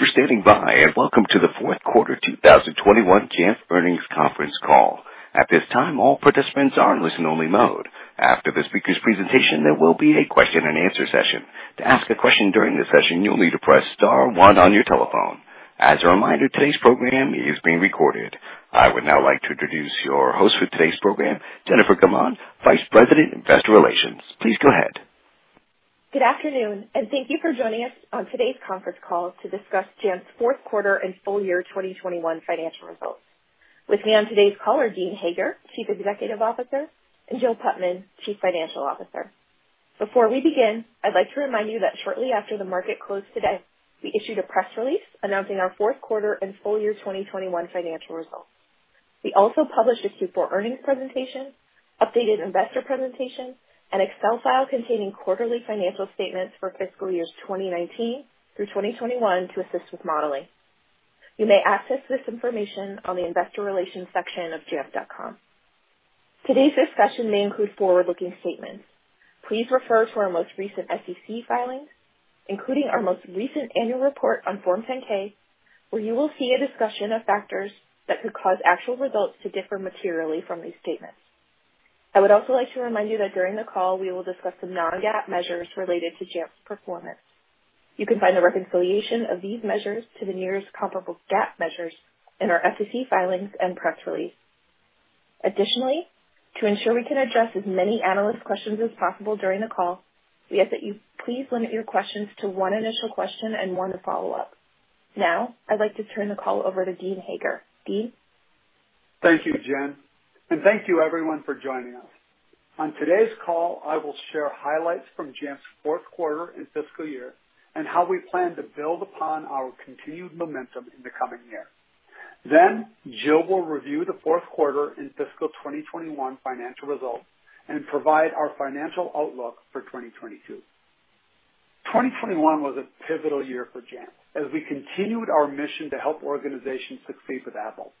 Thank you for standing by, and welcome to the fourth quarter 2021 Jamf earnings conference call. At this time, all participants are in listen-only mode. After the speaker's presentation, there will be a question and answer session. To ask a question during the session, you'll need to press star one on your telephone. As a reminder, today's program is being recorded. I would now like to introduce your host for today's program, Jennifer Gaumond, Vice President, Investor Relations. Please go ahead. Good afternoon, and thank you for joining us on today's conference call to discuss Jamf's fourth quarter and full year 2021 financial results. With me on today's call are Dean Hager, Chief Executive Officer, and Jill Putman, Chief Financial Officer. Before we begin, I'd like to remind you that shortly after the market closed today, we issued a press release announcing our fourth quarter and full year 2021 financial results. We also published a Q4 earnings presentation, updated investor presentation, an Excel file containing quarterly financial statements for fiscal years 2019 through 2021 to assist with modeling. You may access this information on the investor relations section of jamf.com. Today's discussion may include forward-looking statements. Please refer to our most recent SEC filings, including our most recent annual report on Form 10-K, where you will see a discussion of factors that could cause actual results to differ materially from these statements. I would also like to remind you that during the call we will discuss some non-GAAP measures related to Jamf's performance. You can find the reconciliation of these measures to the nearest comparable GAAP measures in our SEC filings and press release. Additionally, to ensure we can address as many analyst questions as possible during the call, we ask that you please limit your questions to one initial question and one follow-up. Now, I'd like to turn the call over to Dean Hager. Dean. Thank you, Jen, and thank you everyone for joining us. On today's call, I will share highlights from Jamf's fourth quarter and fiscal year and how we plan to build upon our continued momentum in the coming year. Jill will review the fourth quarter and fiscal 2021 financial results and provide our financial outlook for 2022. 2021 was a pivotal year for Jamf as we continued our mission to help organizations succeed with Apple.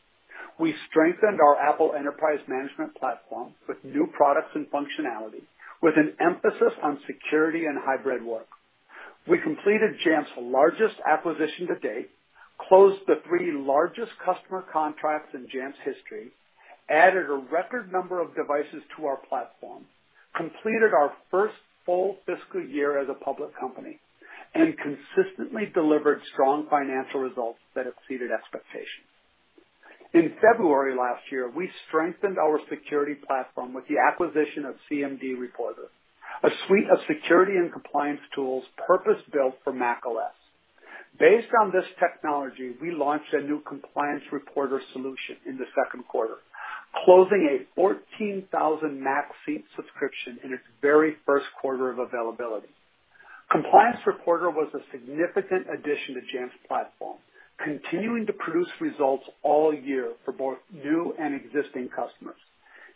We strengthened our Apple enterprise management platform with new products and functionality with an emphasis on security and hybrid work. We completed Jamf's largest acquisition to date, closed the three largest customer contracts in Jamf's history, added a record number of devices to our platform, completed our first full fiscal year as a public company, and consistently delivered strong financial results that exceeded expectations. In February last year, we strengthened our security platform with the acquisition of cmdReporter, a suite of security and compliance tools purpose-built for macOS. Based on this technology, we launched a new Compliance Reporter solution in the second quarter, closing a 14,000 Mac seat subscription in its very first quarter of availability. Compliance Reporter was a significant addition to Jamf's platform, continuing to produce results all year for both new and existing customers,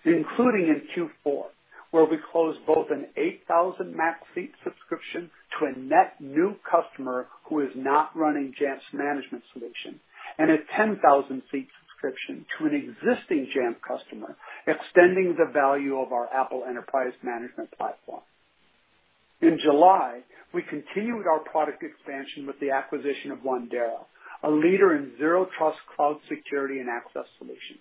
including in Q4, where we closed both an 8,000 Mac seat subscription to a net new customer who is not running Jamf's management solution and a 10,000 seat subscription to an existing Jamf customer, extending the value of our Apple Enterprise Management platform. In July, we continued our product expansion with the acquisition of Wandera, a leader in Zero Trust cloud security and access solutions.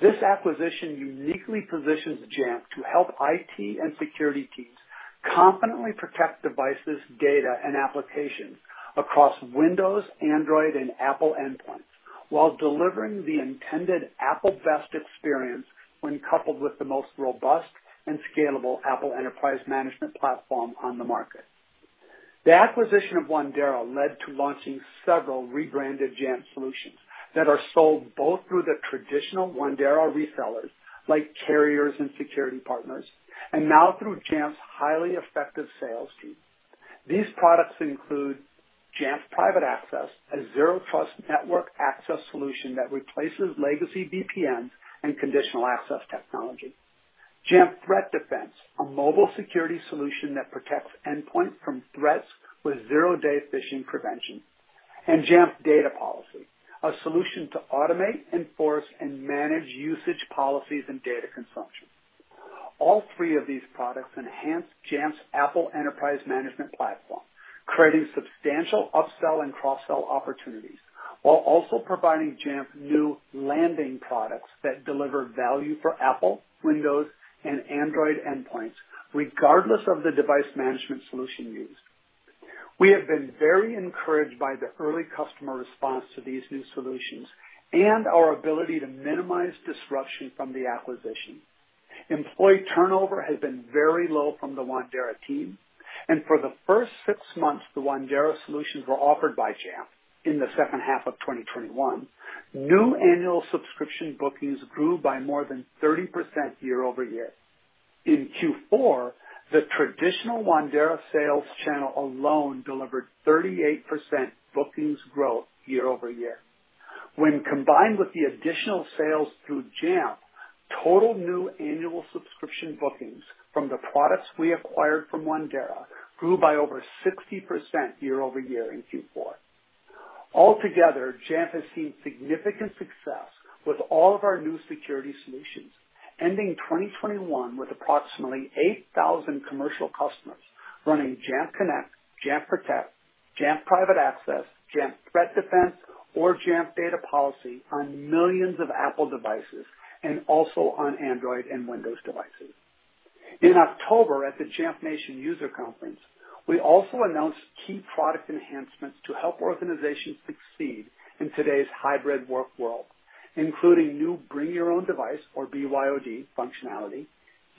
This acquisition uniquely positions Jamf to help IT and security teams confidently protect devices, data, and applications across Windows, Android, and Apple endpoints while delivering the intended Apple best experience when coupled with the most robust and scalable Apple enterprise management platform on the market. The acquisition of Wandera led to launching several rebranded Jamf solutions that are sold both through the traditional Wandera resellers, like carriers and security partners, and now through Jamf's highly effective sales team. These products include Jamf Private Access, a Zero Trust network access solution that replaces legacy VPNs and conditional access technology, Jamf Threat Defense, a mobile security solution that protects endpoints from threats with zero-day phishing prevention, and Jamf Data Policy, a solution to automate, enforce, and manage usage policies and data consumption. All three of these products enhance Jamf's Apple Enterprise Management platform, creating substantial upsell and cross-sell opportunities while also providing Jamf new landing products that deliver value for Apple, Windows, and Android endpoints regardless of the device management solution used. We have been very encouraged by the early customer response to these new solutions and our ability to minimize disruption from the acquisition. Employee turnover has been very low from the Wandera team, and for the first six months, the Wandera solutions were offered by Jamf in the second half of 2021. New annual subscription bookings grew by more than 30% year-over-year. In Q4, the traditional Wandera sales channel alone delivered 38% bookings growth year-over-year. When combined with the additional sales through Jamf, total new annual subscription bookings from the products we acquired from Wandera grew by over 60% year-over-year in Q4. Altogether, Jamf has seen significant success with all of our new security solutions, ending 2021 with approximately 8,000 commercial customers running Jamf Connect, Jamf Protect, Jamf Private Access, Jamf Threat Defense, or Jamf Data Policy on millions of Apple devices and also on Android and Windows devices. In October, at the Jamf Nation User Conference, we also announced key product enhancements to help organizations succeed in today's hybrid work world, including new Bring Your Own Device, or BYOD functionality,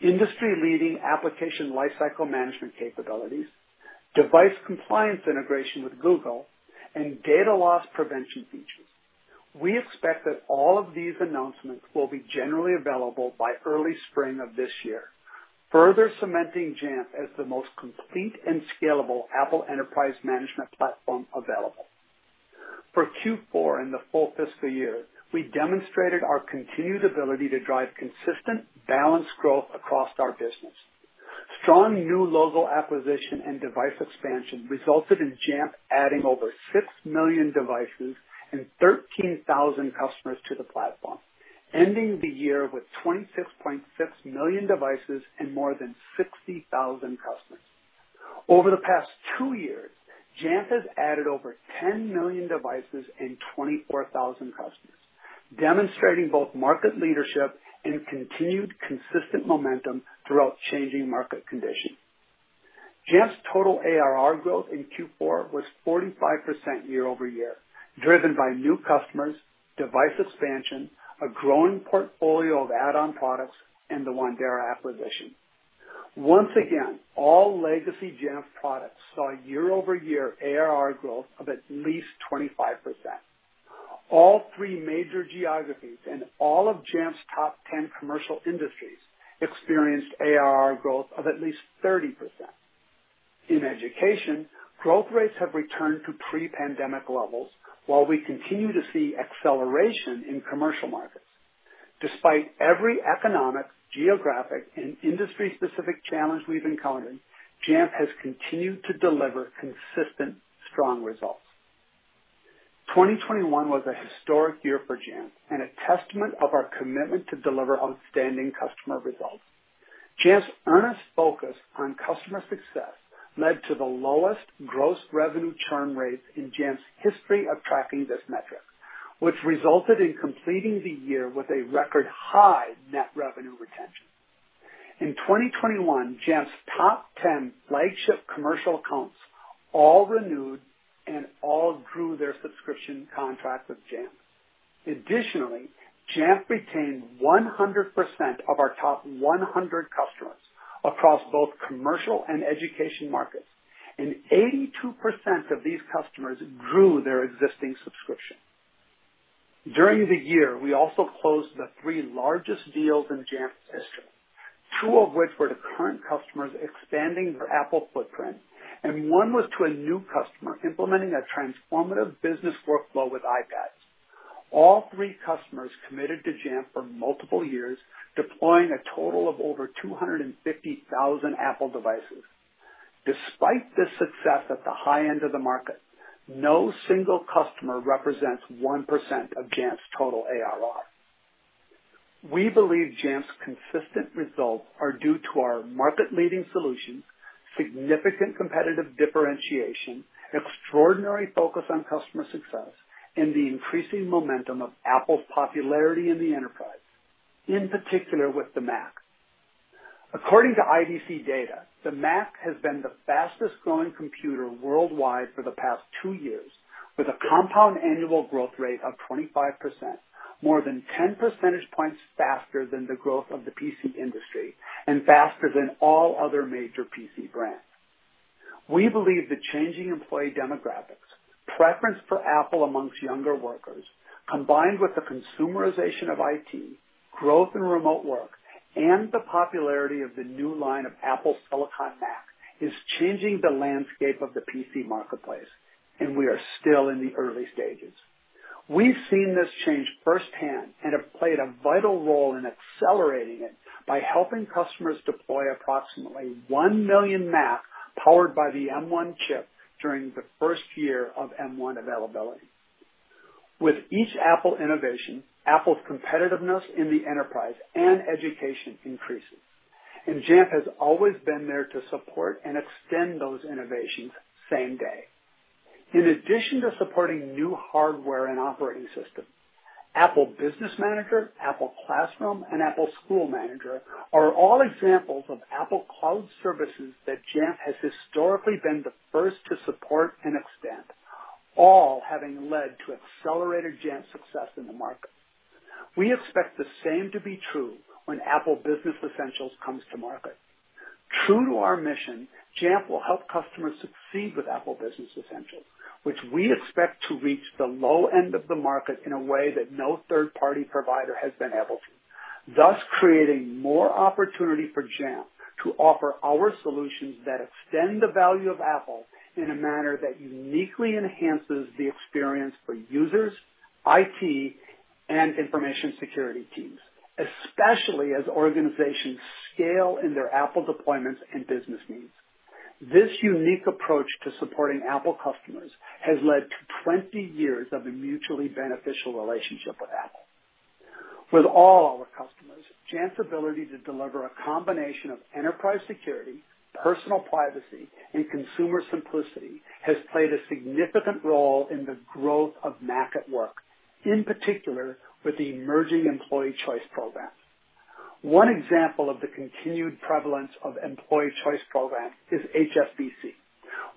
industry-leading application lifecycle management capabilities, device compliance integration with Google, and data loss prevention features. We expect that all of these announcements will be generally available by early spring of this year, further cementing Jamf as the most complete and scalable Apple enterprise management platform available. For Q4 and the full fiscal year, we demonstrated our continued ability to drive consistent, balanced growth across our business. Strong new logo acquisition and device expansion resulted in Jamf adding over 6 million devices and 13,000 customers to the platform, ending the year with 26.6 million devices and more than 60,000 customers. Over the past two years, Jamf has added over 10 million devices and 24,000 customers, demonstrating both market leadership and continued consistent momentum throughout changing market conditions. Jamf's total ARR growth in Q4 was 45% year-over-year, driven by new customers, device expansion, a growing portfolio of add-on products, and the Wandera acquisition. Once again, all legacy Jamf products saw year-over-year ARR growth of at least 25%. All three major geographies and all of Jamf's top ten commercial industries experienced ARR growth of at least 30%. In education, growth rates have returned to pre-pandemic levels, while we continue to see acceleration in commercial markets. Despite every economic, geographic, and industry-specific challenge we've encountered, Jamf has continued to deliver consistent, strong results. 2021 was a historic year for Jamf and a testament of our commitment to deliver outstanding customer results. Jamf's earnest focus on customer success led to the lowest gross revenue churn rates in Jamf's history of tracking this metric, which resulted in completing the year with a record high net revenue retention. In 2021, Jamf's top ten flagship commercial accounts all renewed and all grew their subscription contract with Jamf. Jamf retained 100% of our top 100 customers across both commercial and education markets, and 82% of these customers grew their existing subscription. During the year, we also closed the three largest deals in Jamf's history, two of which were to current customers expanding their Apple footprint, and one was to a new customer implementing a transformative business workflow with iPads. All three customers committed to Jamf for multiple years, deploying a total of over 250,000 Apple devices. Despite this success at the high end of the market, no single customer represents 1% of Jamf's total ARR. We believe Jamf's consistent results are due to our market-leading solutions, significant competitive differentiation, extraordinary focus on customer success, and the increasing momentum of Apple's popularity in the enterprise, in particular with the Mac. According to IDC data, the Mac has been the fastest-growing computer worldwide for the past 2 years, with a compound annual growth rate of 25%, more than 10 percentage points faster than the growth of the PC industry and faster than all other major PC brands. We believe the changing employee demographics, preference for Apple amongst younger workers, combined with the consumerization of IT, growth in remote work, and the popularity of the new line of Apple silicon Mac, is changing the landscape of the PC marketplace, and we are still in the early stages. We've seen this change firsthand and have played a vital role in accelerating it by helping customers deploy approximately 1 million Macs powered by the M1 chip during the first year of M1 availability. With each Apple innovation, Apple's competitiveness in the enterprise and education increases, and Jamf has always been there to support and extend those innovations same day. In addition to supporting new hardware and operating systems, Apple Business Manager, Apple Classroom, and Apple School Manager are all examples of Apple cloud services that Jamf has historically been the first to support and extend, all having led to accelerated Jamf success in the market. We expect the same to be true when Apple Business Essentials comes to market. True to our mission, Jamf will help customers succeed with Apple Business Essentials, which we expect to reach the low end of the market in a way that no third-party provider has been able to. Thus, creating more opportunity for Jamf to offer our solutions that extend the value of Apple in a manner that uniquely enhances the experience for users, IT, and information security teams, especially as organizations scale in their Apple deployments and business needs. This unique approach to supporting Apple customers has led to 20 years of a mutually beneficial relationship with Apple. With all our customers, Jamf's ability to deliver a combination of enterprise security, personal privacy, and consumer simplicity has played a significant role in the growth of Mac at work, in particular with the emerging employee choice program. One example of the continued prevalence of employee choice program is HSBC,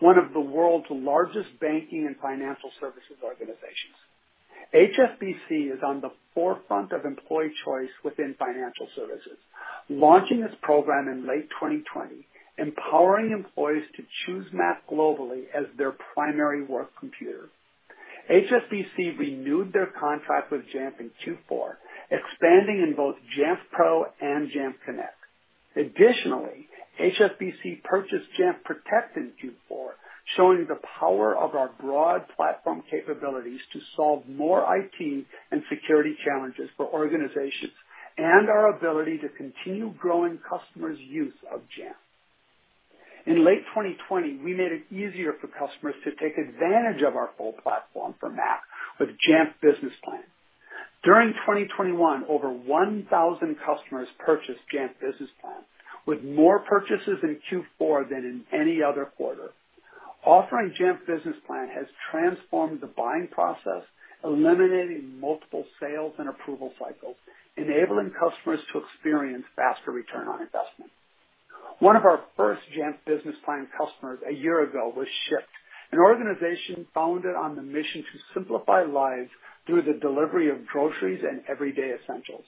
one of the world's largest banking and financial services organizations. HSBC is on the forefront of employee choice within financial services, launching this program in late 2020, empowering employees to choose Mac globally as their primary work computer. HSBC renewed their contract with Jamf in Q4, expanding in both Jamf Pro and Jamf Connect. Additionally, HSBC purchased Jamf Protect in Q4, showing the power of our broad platform capabilities to solve more IT and security challenges for organizations and our ability to continue growing customers' use of Jamf. In late 2020, we made it easier for customers to take advantage of our full platform for Mac with Jamf Business Plan. During 2021, over 1,000 customers purchased Jamf Business Plan, with more purchases in Q4 than in any other quarter. Offering Jamf Business Plan has transformed the buying process, eliminating multiple sales and approval cycles, enabling customers to experience faster return on investment. One of our first Jamf Business Plan customers a year ago was Shipt, an organization founded on the mission to simplify lives through the delivery of groceries and everyday essentials.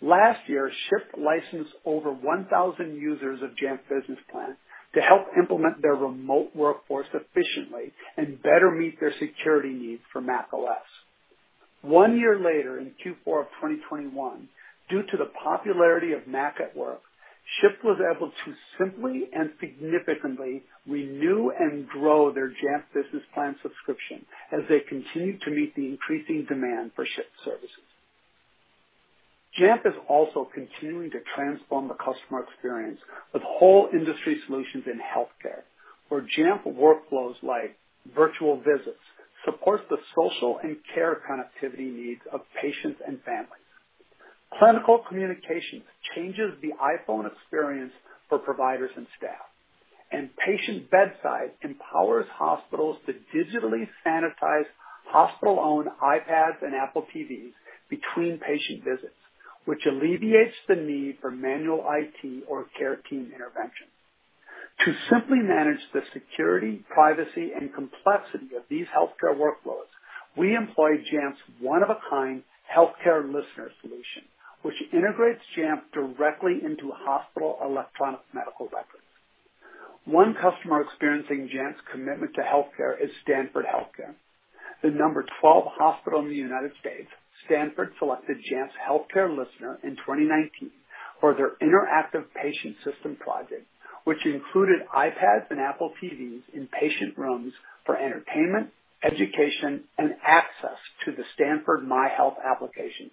Last year, Shipt licensed over 1,000 users of Jamf Business Plan to help implement their remote workforce efficiently and better meet their security needs for macOS. One year later, in Q4 of 2021, due to the popularity of Mac at Work, Shipt was able to simply and significantly renew and grow their Jamf Business Plan subscription as they continue to meet the increasing demand for Shipt services. Jamf is also continuing to transform the customer experience with whole industry solutions in healthcare, where Jamf workflows like virtual visits support the social and care connectivity needs of patients and families. Clinical Communications changes the iPhone experience for providers and staff, and Patient Bedside empowers hospitals to digitally sanitize hospital-owned iPads and Apple TVs between patient visits, which alleviates the need for manual IT or care team intervention. To simply manage the security, privacy, and complexity of these healthcare workflows, we employ Jamf's one-of-a-kind Healthcare Listener solution, which integrates Jamf directly into hospital electronic medical records. One customer experiencing Jamf's commitment to healthcare is Stanford Health Care. The number 12 hospital in the United States, Stanford selected Jamf's Healthcare Listener in 2019 for their interactive patient system project, which included iPads and Apple TVs in patient rooms for entertainment, education, and access to the Stanford MyHealth application.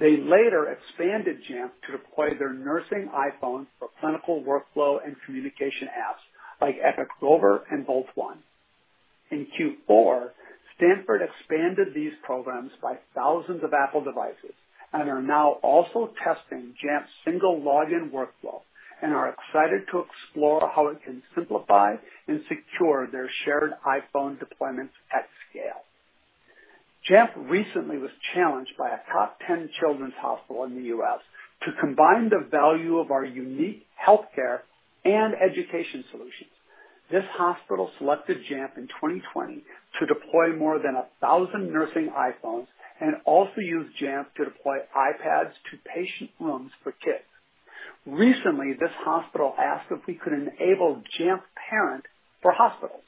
They later expanded Jamf to deploy their nursing iPhones for clinical workflow and communication apps like Epic Rover and BoltOne. In Q4, Stanford expanded these programs by thousands of Apple devices and are now also testing Jamf's single login workflow and are excited to explore how it can simplify and secure their shared iPhone deployments at scale. Jamf recently was challenged by a top ten children's hospital in the U.S. to combine the value of our unique healthcare and education solutions. This hospital selected Jamf in 2020 to deploy more than 1,000 nursing iPhones and also used Jamf to deploy iPads to patient rooms for kids. Recently, this hospital asked if we could enable Jamf Parent for hospitals.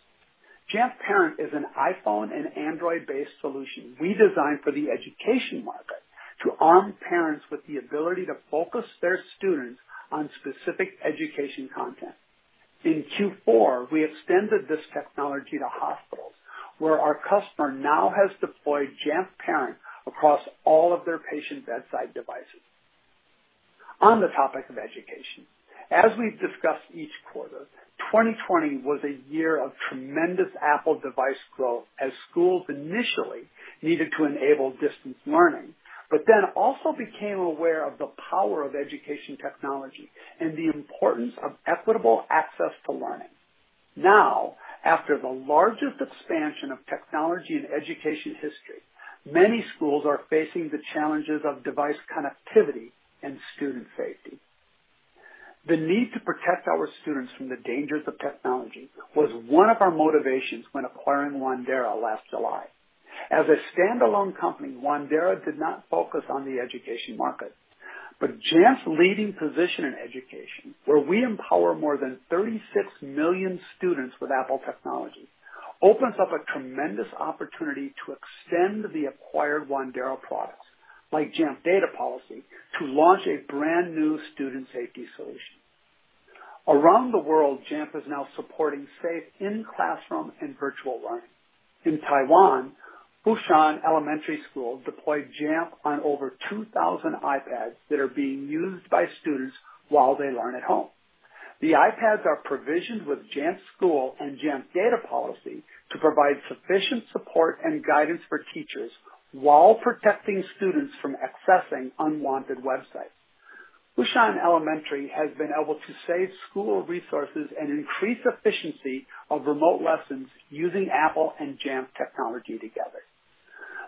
Jamf Parent is an iPhone and Android-based solution we designed for the education market to arm parents with the ability to focus their students on specific education content. In Q4, we extended this technology to hospitals, where our customer now has deployed Jamf Parent across all of their patient bedside devices. On the topic of education, as we've discussed each quarter, 2020 was a year of tremendous Apple device growth as schools initially needed to enable distance learning, but then also became aware of the power of education technology and the importance of equitable access to learning. Now, after the largest expansion of technology in education history, many schools are facing the challenges of device connectivity and student safety. The need to protect our students from the dangers of technology was one of our motivations when acquiring Wandera last July. As a standalone company, Wandera did not focus on the education market. Jamf's leading position in education, where we empower more than 36 million students with Apple technology, opens up a tremendous opportunity to extend the acquired Wandera products, like Jamf Data Policy, to launch a brand new student safety solution. Around the world, Jamf is now supporting safe in-classroom and virtual learning. In Taiwan, Fushan Elementary School deployed Jamf on over 2,000 iPads that are being used by students while they learn at home. The iPads are provisioned with Jamf School and Jamf Data Policy to provide sufficient support and guidance for teachers while protecting students from accessing unwanted websites. Fushan Elementary has been able to save school resources and increase efficiency of remote lessons using Apple and Jamf technology together.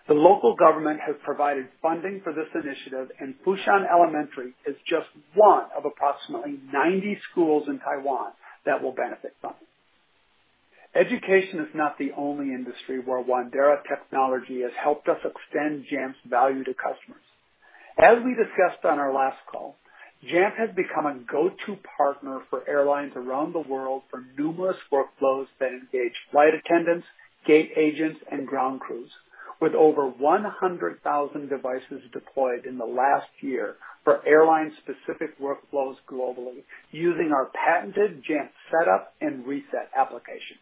The local government has provided funding for this initiative, and Fushan Elementary is just one of approximately 90 schools in Taiwan that will benefit from it. Education is not the only industry where Wandera technology has helped us extend Jamf's value to customers. As we discussed on our last call, Jamf has become a go-to partner for airlines around the world for numerous workflows that engage flight attendants, gate agents and ground crews, with over 100,000 devices deployed in the last year for airline-specific workflows globally, using our patented Jamf Setup and Jamf Reset applications.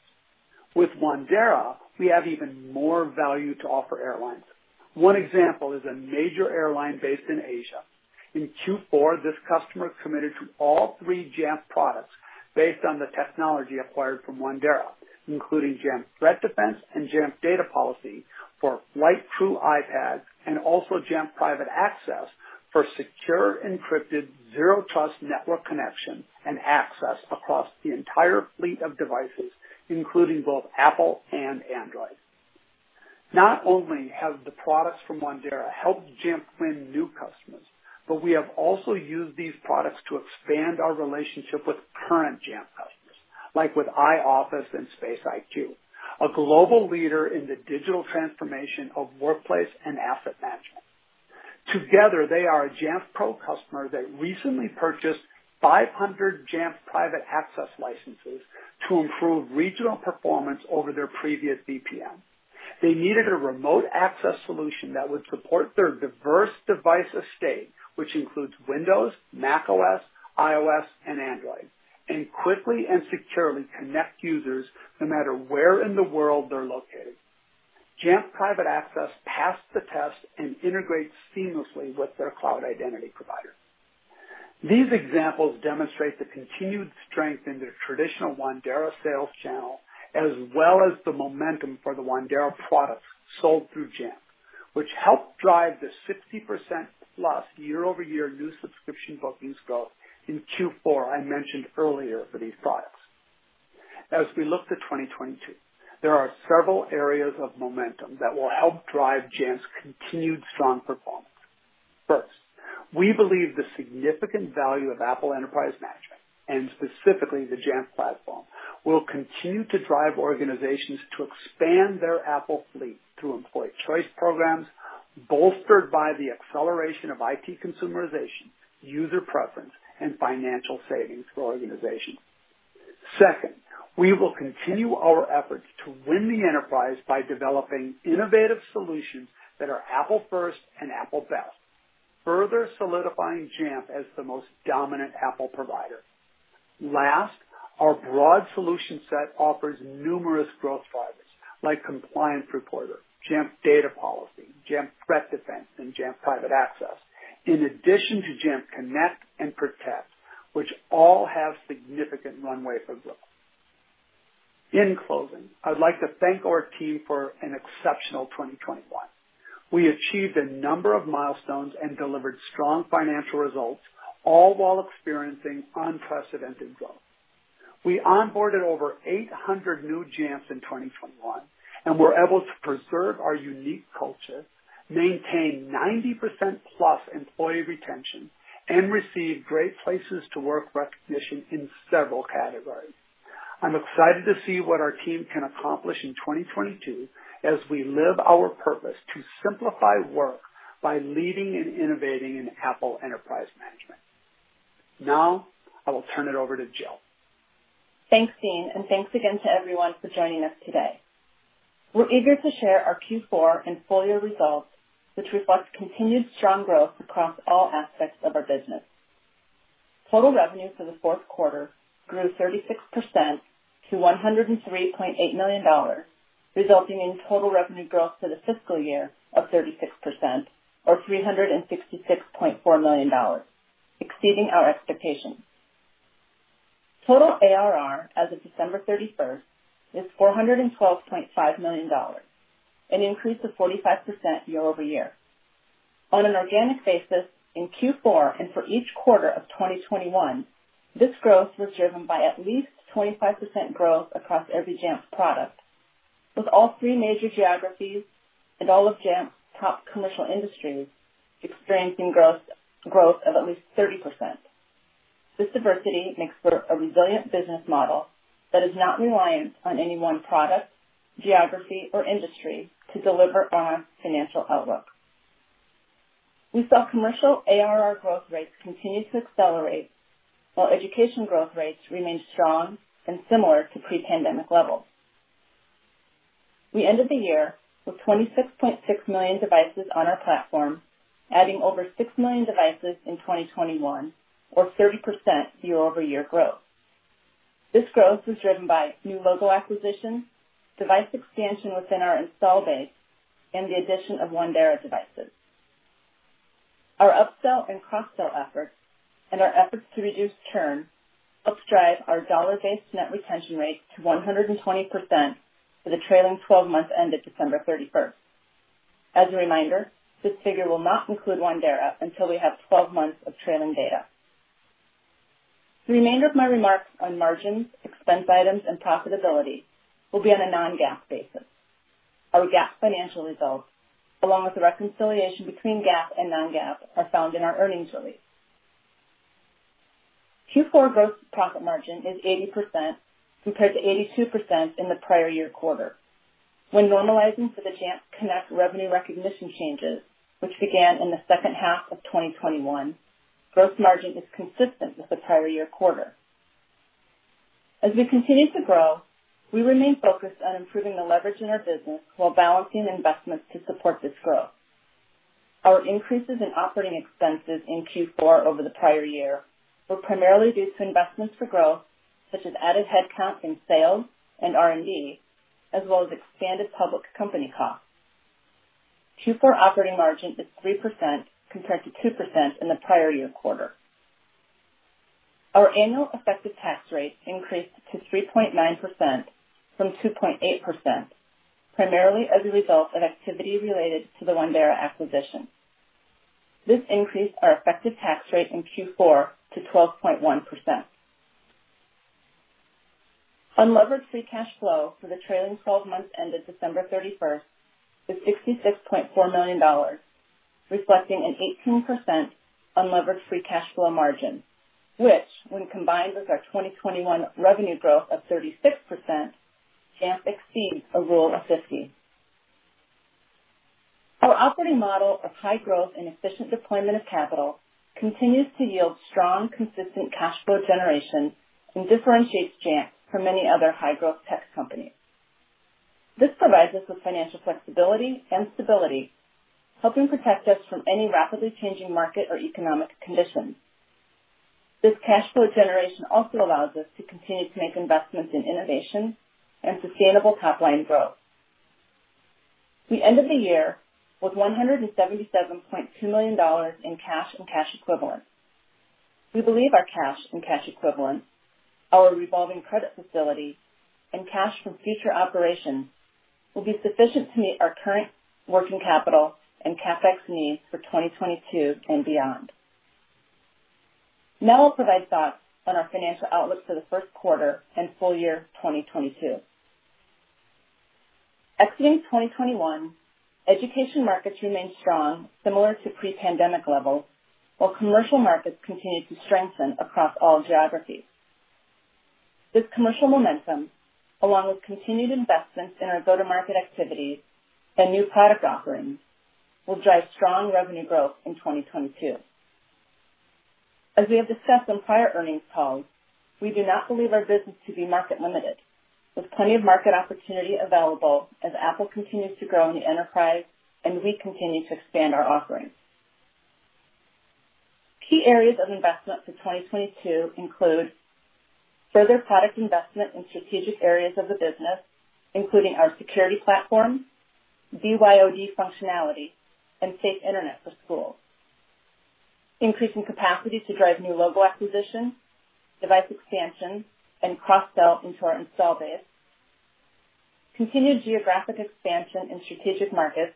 With Wandera, we have even more value to offer airlines. One example is a major airline based in Asia. In Q4, this customer committed to all three Jamf products based on the technology acquired from Wandera, including Jamf Threat Defense and Jamf Data Policy for flight crew iPads and also Jamf Private Access for secure, encrypted, Zero Trust network connection and access across the entire fleet of devices, including both Apple and Android. Not only have the products from Wandera helped Jamf win new customers, but we have also used these products to expand our relationship with current Jamf customers, like with iOFFICE and SpaceIQ, a global leader in the digital transformation of workplace and asset management. Together, they are a Jamf Pro customer that recently purchased 500 Jamf Private Access licenses to improve regional performance over their previous VPN. They needed a remote access solution that would support their diverse device estate, which includes Windows, macOS, iOS and Android, and quickly and securely connect users no matter where in the world they're located. Jamf Private Access passed the test and integrates seamlessly with their cloud identity provider. These examples demonstrate the continued strength in the traditional Wandera sales channel, as well as the momentum for the Wandera products sold through Jamf, which helped drive the 60%+ year-over-year new subscription bookings growth in Q4 I mentioned earlier for these products. As we look to 2022, there are several areas of momentum that will help drive Jamf's continued strong performance. First, we believe the significant value of Apple enterprise management, and specifically the Jamf platform, will continue to drive organizations to expand their Apple fleet through employee choice programs, bolstered by the acceleration of IT consumerization, user preference, and financial savings for organizations. Second, we will continue our efforts to win the enterprise by developing innovative solutions that are Apple first and Apple best, further solidifying Jamf as the most dominant Apple provider. Last, our broad solution set offers numerous growth drivers like Compliance Reporter, Jamf Data Policy, Jamf Threat Defense, and Jamf Private Access, in addition to Jamf Connect and Jamf Protect, which all have significant runway for growth. In closing, I'd like to thank our team for an exceptional 2021. We achieved a number of milestones and delivered strong financial results, all while experiencing unprecedented growth. We onboarded over 800 new Jamfs in 2021 and were able to preserve our unique culture, maintain 90%+ employee retention, and receive great places to work recognition in several categories. I'm excited to see what our team can accomplish in 2022 as we live our purpose to simplify work by leading and innovating in Apple enterprise management. Now I will turn it over to Jill. Thanks, Dean, and thanks again to everyone for joining us today. We're eager to share our Q4 and full year results, which reflects continued strong growth across all aspects of our business. Total revenue for the fourth quarter grew 36% to $103.8 million, resulting in total revenue growth for the fiscal year of 36% or $366.4 million, exceeding our expectations. Total ARR as of December 31 is $412.5 million, an increase of 45% year-over-year. On an organic basis in Q4 and for each quarter of 2021, this growth was driven by at least 25% growth across every Jamf product. With all three major geographies and all of Jamf's top commercial industries experiencing growth of at least 30%. This diversity makes for a resilient business model that is not reliant on any one product, geography or industry to deliver on our financial outlook. We saw commercial ARR growth rates continue to accelerate while education growth rates remained strong and similar to pre-pandemic levels. We ended the year with 26.6 million devices on our platform, adding over 6 million devices in 2021 or 30% year-over-year growth. This growth was driven by new logo acquisitions, device expansion within our install base, and the addition of Wandera devices. Our upsell and cross-sell efforts and our efforts to reduce churn helped drive our dollar-based net retention rate to 120% for the trailing 12 months ended December 31. As a reminder, this figure will not include Wandera until we have 12 months of trailing data. The remainder of my remarks on margins, expense items, and profitability will be on a non-GAAP basis. Our GAAP financial results, along with the reconciliation between GAAP and non-GAAP, are found in our earnings release. Q4 gross profit margin is 80% compared to 82% in the prior year quarter. When normalizing for the Jamf Connect revenue recognition changes, which began in the second half of 2021, gross margin is consistent with the prior year quarter. As we continue to grow, we remain focused on improving the leverage in our business while balancing investments to support this growth. Our increases in operating expenses in Q4 over the prior year were primarily due to investments for growth, such as added headcount in sales and R&D, as well as expanded public company costs. Q4 operating margin is 3% compared to 2% in the prior year quarter. Our annual effective tax rate increased to 3.9% from 2.8%, primarily as a result of activity related to the Wandera acquisition. This increased our effective tax rate in Q4 to 12.1%. Unlevered free cash flow for the trailing twelve months ended December 31 is $66.4 million, reflecting an 18% unlevered free cash flow margin, which, when combined with our 2021 revenue growth of 36%, Jamf exceeds a Rule of 50. Our operating model of high growth and efficient deployment of capital continues to yield strong, consistent cash flow generation and differentiates Jamf from many other high-growth tech companies. This provides us with financial flexibility and stability, helping protect us from any rapidly changing market or economic conditions. This cash flow generation also allows us to continue to make investments in innovation and sustainable top-line growth. We ended the year with $177.2 million in cash and cash equivalents. We believe our cash and cash equivalents, our revolving credit facility, and cash from future operations will be sufficient to meet our current working capital and CapEx needs for 2022 and beyond. Now I'll provide thoughts on our financial outlook for the first quarter and full year 2022. Exiting 2021, education markets remain strong, similar to pre-pandemic levels, while commercial markets continue to strengthen across all geographies. This commercial momentum, along with continued investments in our go-to-market activities and new product offerings, will drive strong revenue growth in 2022. As we have discussed on prior earnings calls, we do not believe our business to be market-limited. There's plenty of market opportunity available as Apple continues to grow in the enterprise and we continue to expand our offerings. Key areas of investment for 2022 include further product investment in strategic areas of the business, including our security platform, BYOD functionality, and safe internet for schools, increasing capacity to drive new logo acquisition, device expansion, and cross-sell into our install base, continued geographic expansion in strategic markets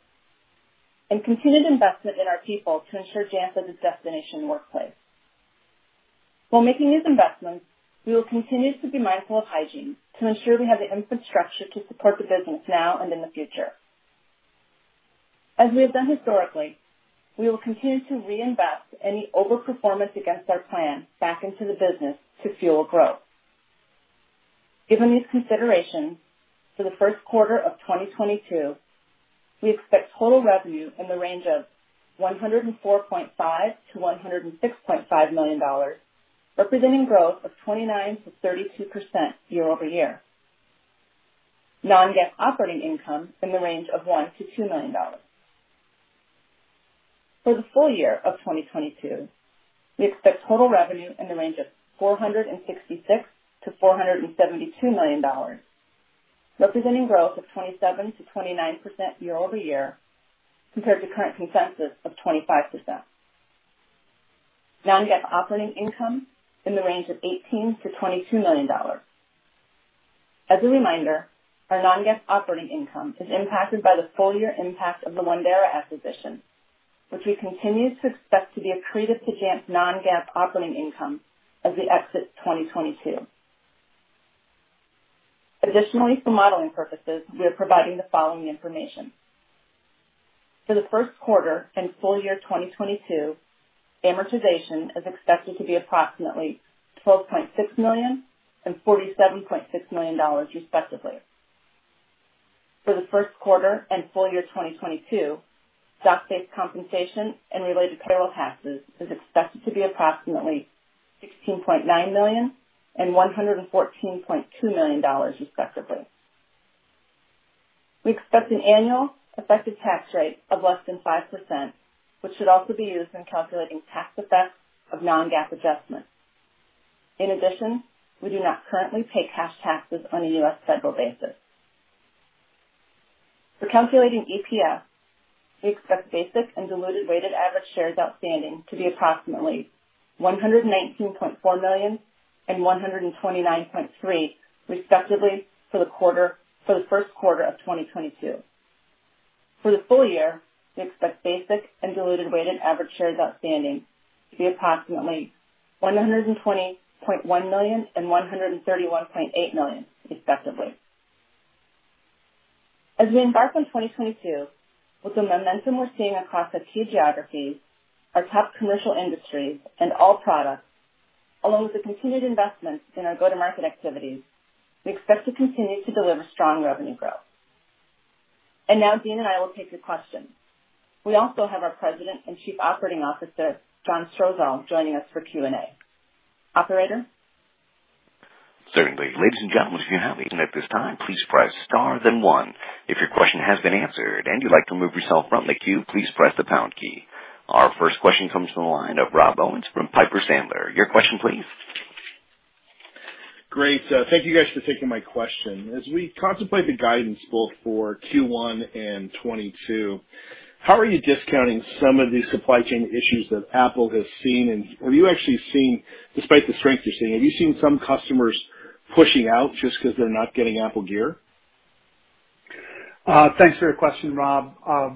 and continued investment in our people to ensure Jamf is a destination workplace. While making these investments, we will continue to be mindful of hygiene to ensure we have the infrastructure to support the business now and in the future. As we have done historically, we will continue to reinvest any overperformance against our plan back into the business to fuel growth. Given these considerations, for the first quarter of 2022, we expect total revenue in the range of $104.5 million-$106.5 million, representing 29%-32% growth year-over-year. Non-GAAP operating income in the range of $1 million-$2 million. For the full year of 2022, we expect total revenue in the range of $466 million-$472 million, representing 27%-29% growth year-over-year, compared to current consensus of 25%. Non-GAAP operating income in the range of $18 million-$22 million. As a reminder, our non-GAAP operating income is impacted by the full year impact of the Wandera acquisition, which we continue to expect to be accretive to Jamf's non-GAAP operating income as we exit 2022. Additionally, for modeling purposes, we are providing the following information: For the first quarter and full year 2022, amortization is expected to be approximately $12.6 million and $47.6 million, respectively. For the first quarter and full year 2022, stock-based compensation and related payroll taxes is expected to be approximately $16.9 million and $114.2 million, respectively. We expect an annual effective tax rate of less than 5%, which should also be used in calculating tax effects of non-GAAP adjustments. In addition, we do not currently pay cash taxes on a U.S. federal basis. For calculating EPS, we expect basic and diluted weighted average shares outstanding to be approximately 119.4 million and 129.3 million, respectively, for the first quarter of 2022. For the full year, we expect basic and diluted weighted average shares outstanding to be approximately 120.1 million and 131.8 million, respectively. As we embark on 2022, with the momentum we're seeing across the key geographies, our top commercial industries, and all products, along with the continued investments in our go-to-market activities, we expect to continue to deliver strong revenue growth. Now Dean and I will take your questions. We also have our President and Chief Operating Officer, John Strosahl, joining us for Q&A. Operator? Certainly. Ladies and gentlemen, if you have a question at this time, please press star then one. If your question has been answered and you'd like to remove yourself from the queue, please press the pound key. Our first question comes from the line of Rob Owens from Piper Sandler. Your question please. Great. Thank you guys for taking my question. As we contemplate the guidance both for Q1 and 2022, how are you discounting some of these supply chain issues that Apple has seen? Have you actually seen, despite the strength you're seeing, some customers pushing out just because they're not getting Apple gear? Thanks for your question, Rob. I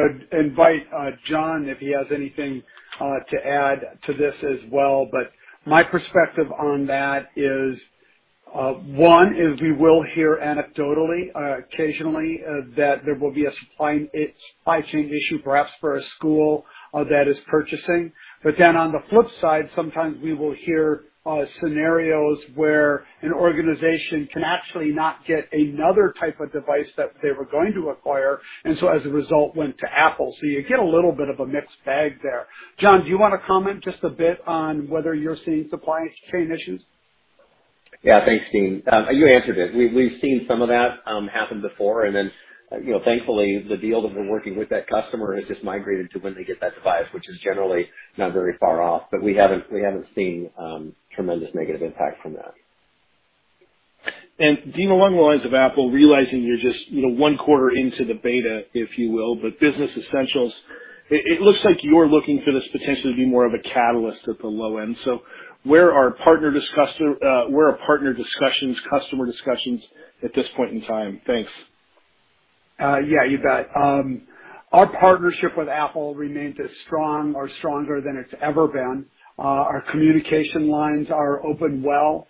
would invite John if he has anything to add to this as well. My perspective on that is, one, we will hear anecdotally occasionally that there will be a supply chain issue perhaps for a school that is purchasing. Then on the flip side, sometimes we will hear scenarios where an organization can actually not get another type of device that they were going to acquire, and so as a result, went to Apple. You get a little bit of a mixed bag there. John, do you wanna comment just a bit on whether you're seeing supply chain issues? Yeah. Thanks, Dean. You answered it. We've seen some of that happen before, and then, you know, thankfully, the deal that we're working with that customer has just migrated to when they get that device, which is generally not very far off. We haven't seen tremendous negative impact from that. Dean, along the lines of Apple, realizing you're just, you know, one quarter into the beta, if you will, but Business Essentials, it looks like you're looking for this potentially to be more of a catalyst at the low end. Where are partner discussions, customer discussions at this point in time? Thanks. Yeah. You bet. Our partnership with Apple remains as strong or stronger than it's ever been. Our communication lines are open well.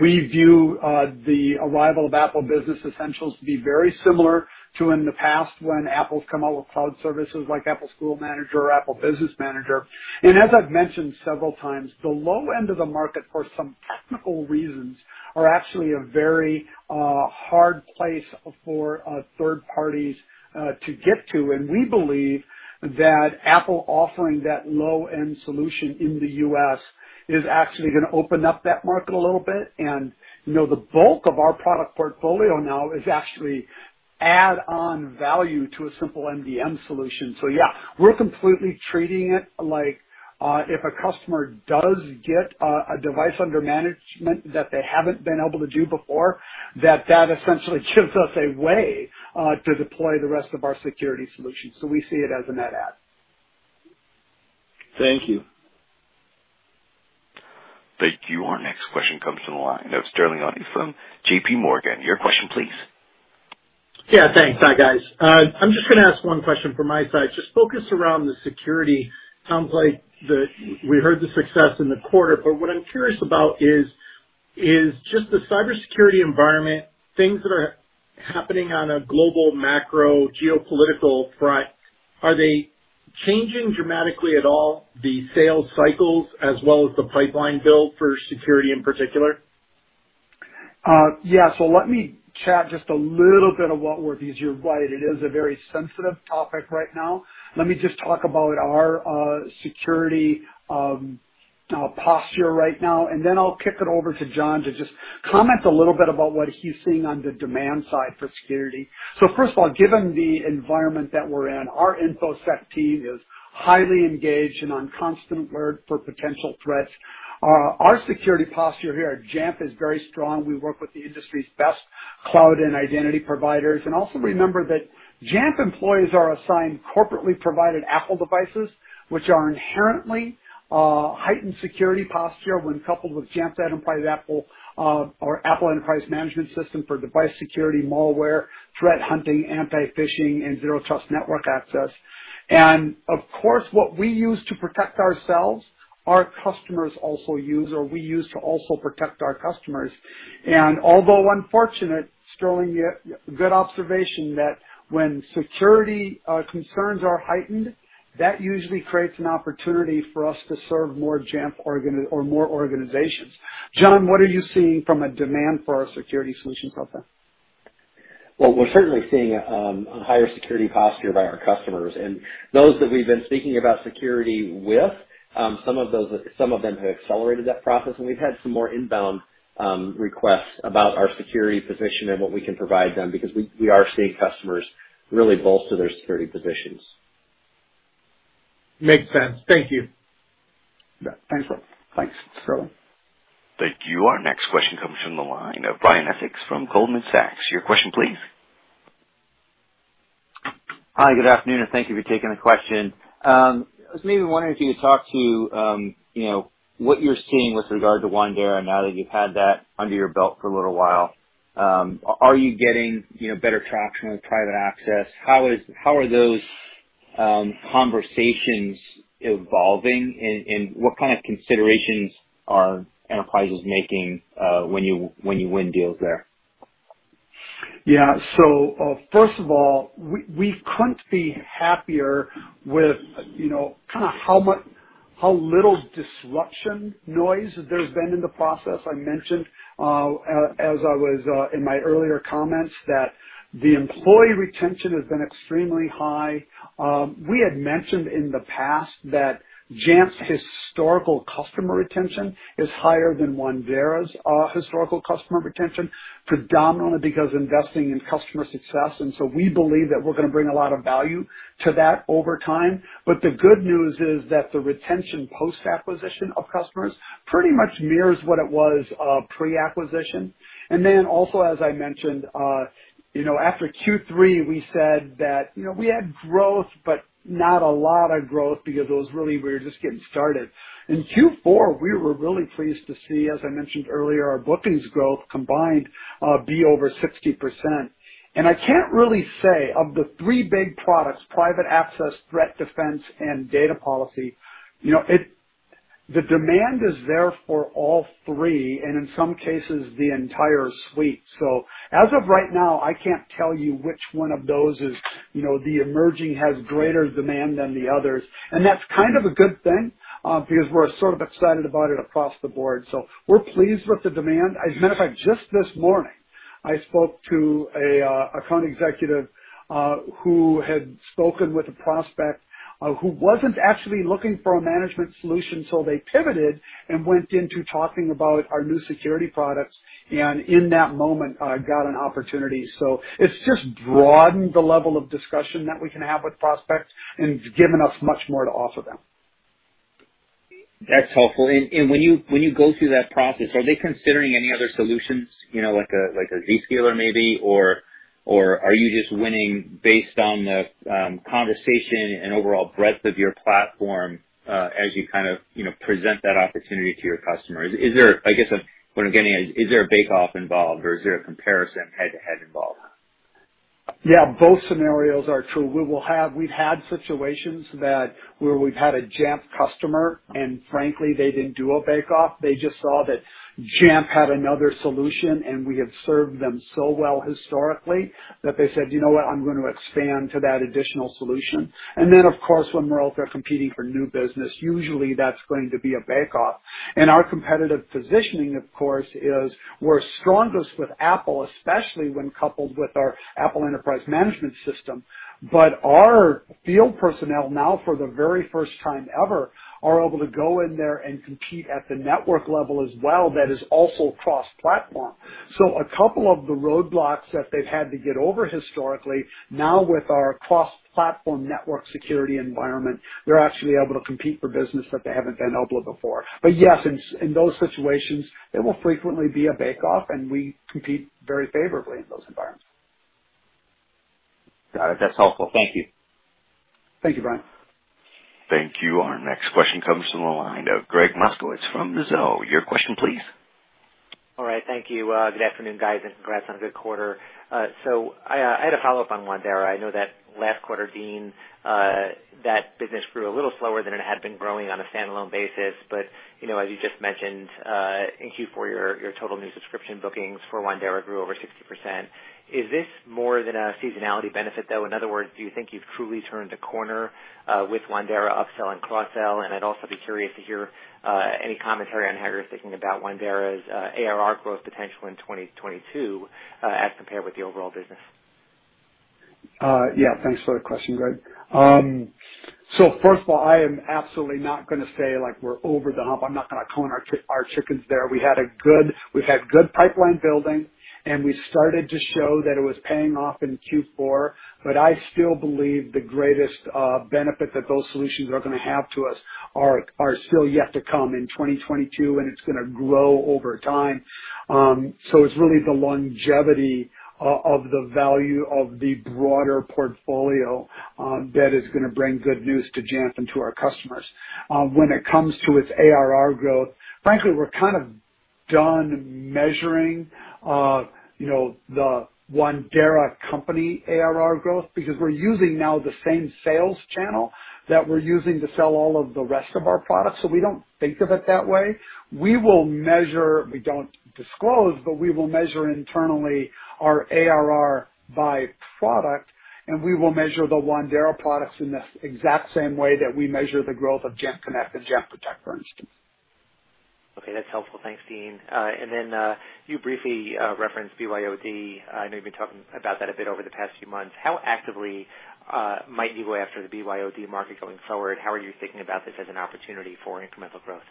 We view the arrival of Apple Business Essentials to be very similar to in the past when Apple's come out with cloud services like Apple School Manager or Apple Business Manager. As I've mentioned several times, the low end of the market for some technical reasons are actually a very hard place for third parties to get to. We believe that Apple offering that low-end solution in the U.S. is actually gonna open up that market a little bit. You know, the bulk of our product portfolio now is actually add-on value to a simple MDM solution. Yeah, we're completely treating it like if a customer does get a device under management that they haven't been able to do before, that essentially gives us a way to deploy the rest of our security solutions. We see it as a net add. Thank you. Thank you. Our next question comes from the line of Sterling Auty from JPMorgan. Your question please. Yeah. Thanks. Hi, guys. I'm just gonna ask one question from my side, just focused around the security. Sounds like we heard the success in the quarter, but what I'm curious about is just the cybersecurity environment, things that are happening on a global macro geopolitical front, are they changing dramatically at all the sales cycles as well as the pipeline build for security in particular? Yeah. Let me chat just a little bit because you're right, it is a very sensitive topic right now. Let me just talk about our security posture right now, and then I'll kick it over to John to just comment a little bit about what he's seeing on the demand side for security. First of all, given the environment that we're in, our InfoSec team is highly engaged and on constant alert for potential threats. Our security posture here at Jamf is very strong. We work with the industry's best cloud and identity providers. Also remember that Jamf employees are assigned corporately provided Apple devices, which are inherently heightened security posture when coupled with Jamf Enterprise Apple or Apple Enterprise management system for device security, malware, threat hunting, anti-phishing, and zero trust network access. Of course, what we use to protect ourselves, our customers also use or we use to also protect our customers. Although unfortunate, Sterling, you have good observation that when security concerns are heightened, that usually creates an opportunity for us to serve more organizations. John, what are you seeing from a demand for our security solutions out there? Well, we're certainly seeing a higher security posture by our customers. Those that we've been speaking about security with, some of them have accelerated that process. We've had some more inbound requests about our security position and what we can provide them because we are seeing customers really bolster their security positions. Makes sense. Thank you. Yeah. Thanks, Phil. Thanks. Thank you. Our next question comes from the line of Brian Essex from Goldman Sachs. Your question please. Hi, good afternoon, and thank you for taking the question. I was maybe wondering if you could talk to, you know, what you're seeing with regard to Wandera now that you've had that under your belt for a little while. Are you getting, you know, better traction with Private Access? How are those conversations evolving and what kind of considerations are enterprises making when you win deals there? Yeah. First of all, we couldn't be happier with, you know, kinda how little disruption noise there's been in the process. I mentioned in my earlier comments that the employee retention has been extremely high. We had mentioned in the past that Jamf's historical customer retention is higher than Wandera's historical customer retention, predominantly because investing in customer success. We believe that we're gonna bring a lot of value to that over time. The good news is that the retention post-acquisition of customers pretty much mirrors what it was pre-acquisition. As I mentioned, you know, after Q3 we said that, you know, we had growth but not a lot of growth because it was really, we were just getting started. In Q4, we were really pleased to see, as I mentioned earlier, our bookings growth combined be over 60%. I can't really say of the three big products, Private Access, Threat Defense, and Data Policy, you know, the demand is there for all three, and in some cases the entire suite. As of right now, I can't tell you which one of those is, you know, the emerging has greater demand than the others. That's kind of a good thing, because we're sort of excited about it across the board. We're pleased with the demand. As a matter of fact, just this morning, I spoke to a account executive who had spoken with a prospect who wasn't actually looking for a management solution, so they pivoted and went into talking about our new security products, and in that moment got an opportunity. It's just broadened the level of discussion that we can have with prospects, and it's given us much more to offer them. That's helpful. When you go through that process, are they considering any other solutions, you know, like a Zscaler maybe, or are you just winning based on the conversation and overall breadth of your platform, as you kind of, you know, present that opportunity to your customers? Is there a bake-off involved or is there a comparison head-to-head involved? Yeah, both scenarios are true. We've had situations where we've had a Jamf customer, and frankly, they didn't do a bake-off. They just saw that Jamf had another solution, and we had served them so well historically that they said, "You know what? I'm gonna expand to that additional solution." Of course, when we're out there competing for new business, usually that's going to be a bake-off. Our competitive positioning, of course, is we're strongest with Apple, especially when coupled with our Apple enterprise management system. Our field personnel now for the very first time ever are able to go in there and compete at the network level as well that is also cross-platform. A couple of the roadblocks that they've had to get over historically, now with our cross-platform network security environment, they're actually able to compete for business that they haven't been able to before. Yes, in those situations it will frequently be a bake-off and we compete very favorably in those environments. Got it. That's helpful. Thank you. Thank you, Brian. Thank you. Our next question comes from the line of Gregg Moskowitz from Mizuho. Your question please. All right. Thank you. Good afternoon, guys, and congrats on a good quarter. So I had a follow-up on Wandera. I know that last quarter, Dean, that business grew a little slower than it had been growing on a standalone basis. But you know, as you just mentioned, in Q4 your total new subscription bookings for Wandera grew over 60%. Is this more than a seasonality benefit, though? In other words, do you think you've truly turned a corner with Wandera upsell and cross-sell? And I'd also be curious to hear any commentary on how you're thinking about Wandera's ARR growth potential in 2022, as compared with the overall business. Yeah. Thanks for the question, Greg. So first of all, I am absolutely not gonna say like we're over the hump. I'm not gonna count our chickens there. We've had good pipeline building, and we started to show that it was paying off in Q4. I still believe the greatest benefit that those solutions are gonna have to us are still yet to come in 2022, and it's gonna grow over time. So it's really the longevity of the value of the broader portfolio that is gonna bring good news to Jamf and to our customers. When it comes to its ARR growth, frankly, we're kind of done measuring, you know, the Wandera company ARR growth because we're using now the same sales channel that we're using to sell all of the rest of our products, so we don't think of it that way. We will measure, we don't disclose, but we will measure internally our ARR by product, and we will measure the Wandera products in the exact same way that we measure the growth of Jamf Connect and Jamf Protect, for instance. Okay. That's helpful. Thanks, Dean. You briefly referenced BYOD. I know you've been talking about that a bit over the past few months. How actively might you go after the BYOD market going forward? How are you thinking about this as an opportunity for incremental growth?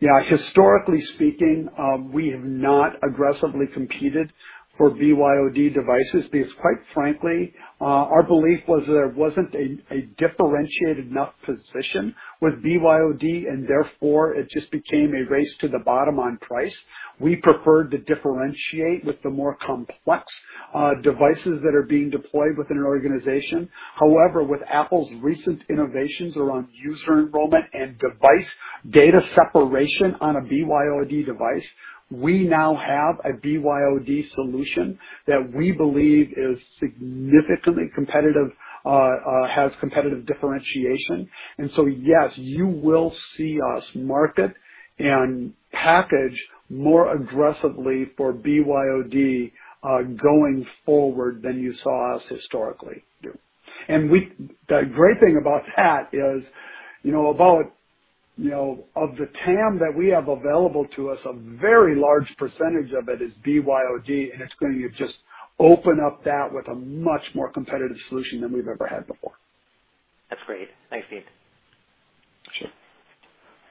Yeah. Historically speaking, we have not aggressively competed for BYOD devices because quite frankly, our belief was that there wasn't a differentiated enough position with BYOD, and therefore it just became a race to the bottom on price. We preferred to differentiate with the more complex devices that are being deployed within an organization. However, with Apple's recent innovations around user enrollment and device data separation on a BYOD device, we now have a BYOD solution that we believe is significantly competitive, has competitive differentiation. Yes, you will see us market and package more aggressively for BYOD going forward than you saw us historically do. The great thing about that is, you know, of the TAM that we have available to us, a very large percentage of it is BYOD, and it's gonna just open up that with a much more competitive solution than we've ever had before. That's great. Thanks, Dean. Sure.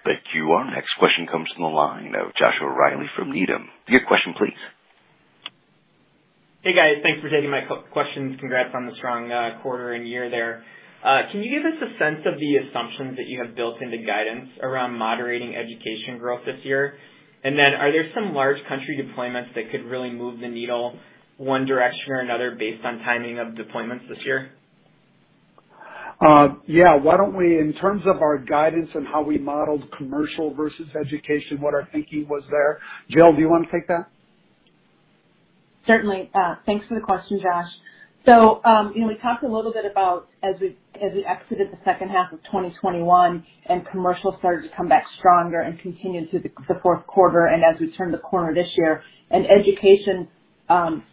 Thank you. Our next question comes from the line of Joshua Reilly from Needham. Your question please. Hey, guys. Thanks for taking my questions. Congrats on the strong quarter and year there. Can you give us a sense of the assumptions that you have built into guidance around moderating education growth this year? And then are there some large country deployments that could really move the needle one direction or another based on timing of deployments this year? Yeah. Why don,t we- in terms of our guidance and how we modeled commercial versus education, what our thinking was there, Jill, do you wanna take that? Certainly. Thanks for the question, Josh. You know, we talked a little bit about as we exited the second half of 2021 and commercial started to come back stronger and continued through the fourth quarter and as we turned the corner this year. Education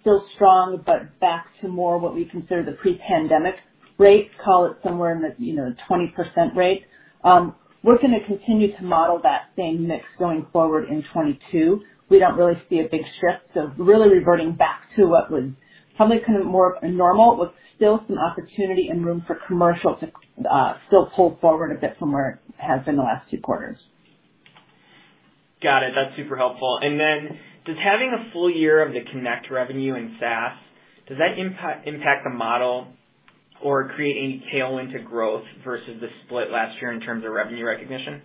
still strong, but back to more what we consider the pre-pandemic rates, call it somewhere in the 20% rate. We're gonna continue to model that same mix going forward in 2022. We don't really see a big shift. Really reverting back to what was probably kind of more normal, with still some opportunity and room for commercial to still pull forward a bit from where it has been the last two quarters. Got it. That's super helpful. Does having a full year of the Connect revenue and SaaS impact the model or create any tailwind to growth versus the split last year in terms of revenue recognition?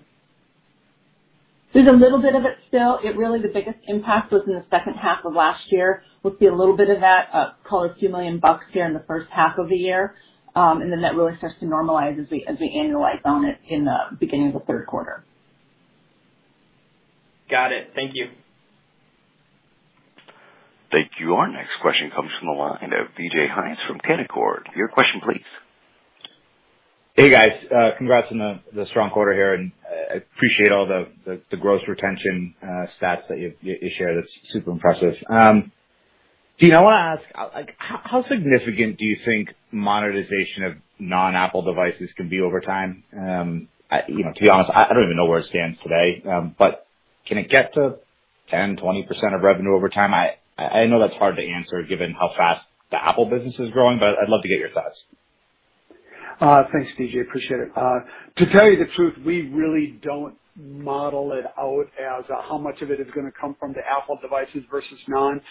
There's a little bit of it still. It really, the biggest impact was in the second half of last year. We'll see a little bit of that, call it a few million bucks here in the first half of the year. That really starts to normalize as we annualize on it in the beginning of the third quarter. Got it. Thank you. Thank you. Our next question comes from the line of DJ Hynes from Canaccord. Your question please. Hey, guys. Congrats on the strong quarter here, and I appreciate all the gross retention stats that you've shared. It's super impressive. Dean, I wanna ask, like, how significant do you think monetization of non-Apple devices can be over time? You know, to be honest, I don't even know where it stands today, but can it get to 10, 20% of revenue over time? I know that's hard to answer given how fast the Apple business is growing, but I'd love to get your thoughts. Thanks, DJ. Appreciate it. To tell you the truth, we really don't model it out as how much of it is gonna come from the Apple devices versus non.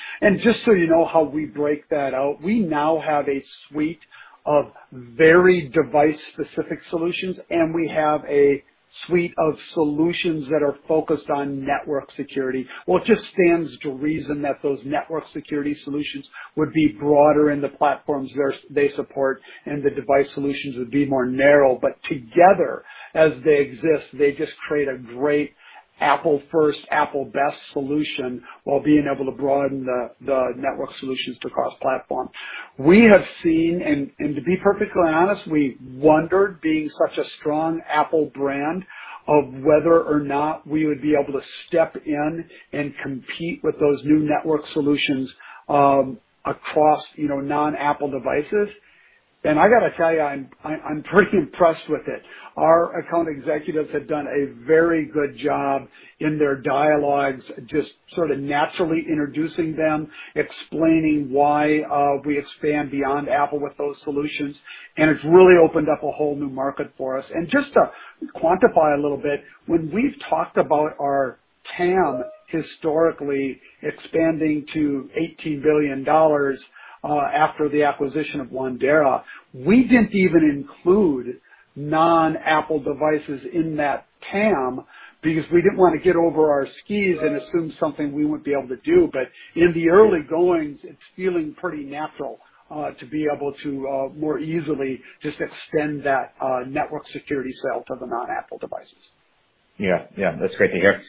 Just so you know how we break that out, we now have a suite of very device-specific solutions, and we have a suite of solutions that are focused on network security. Well, it just stands to reason that those network security solutions would be broader in the platforms they support, and the device solutions would be more narrow. Together, as they exist, they just create a great Apple first, Apple best solution while being able to broaden the network solutions to cross-platform. We have seen and to be perfectly honest, we wondered, being such a strong Apple brand, of whether or not we would be able to step in and compete with those new network solutions, across, you know, non-Apple devices. I gotta tell you, I'm pretty impressed with it. Our account executives have done a very good job in their dialogues, just sort of naturally introducing them, explaining why, we expand beyond Apple with those solutions, and it's really opened up a whole new market for us. Just to quantify a little bit, when we've talked about our TAM historically expanding to $18 billion, after the acquisition of Wandera, we didn't even include non-Apple devices in that TAM because we didn't wanna get over our skis and assume something we wouldn't be able to do. In the early goings, it's feeling pretty natural to be able to more easily just extend that network security sale to the non-Apple devices. Yeah. That's great to hear.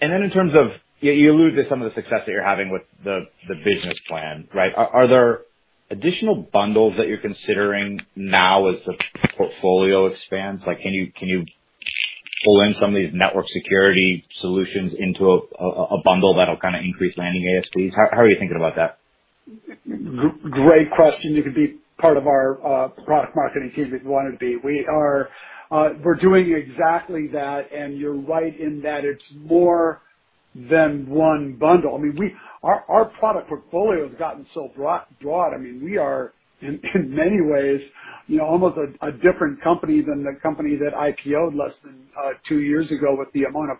In terms of, you alluded to some of the success that you're having with the business plan, right? Are there additional bundles that you're considering now as the portfolio expands? Like, can you pull in some of these network security solutions into a bundle that'll kinda increase landing ASPs? How are you thinking about that? Great question. You could be part of our product marketing team if you wanted to be. We are, we're doing exactly that, and you're right in that it's more than one bundle. I mean, our product portfolio has gotten so broad. I mean, we are in many ways, you know, almost a different company than the company that IPO'd less than two years ago with the amount of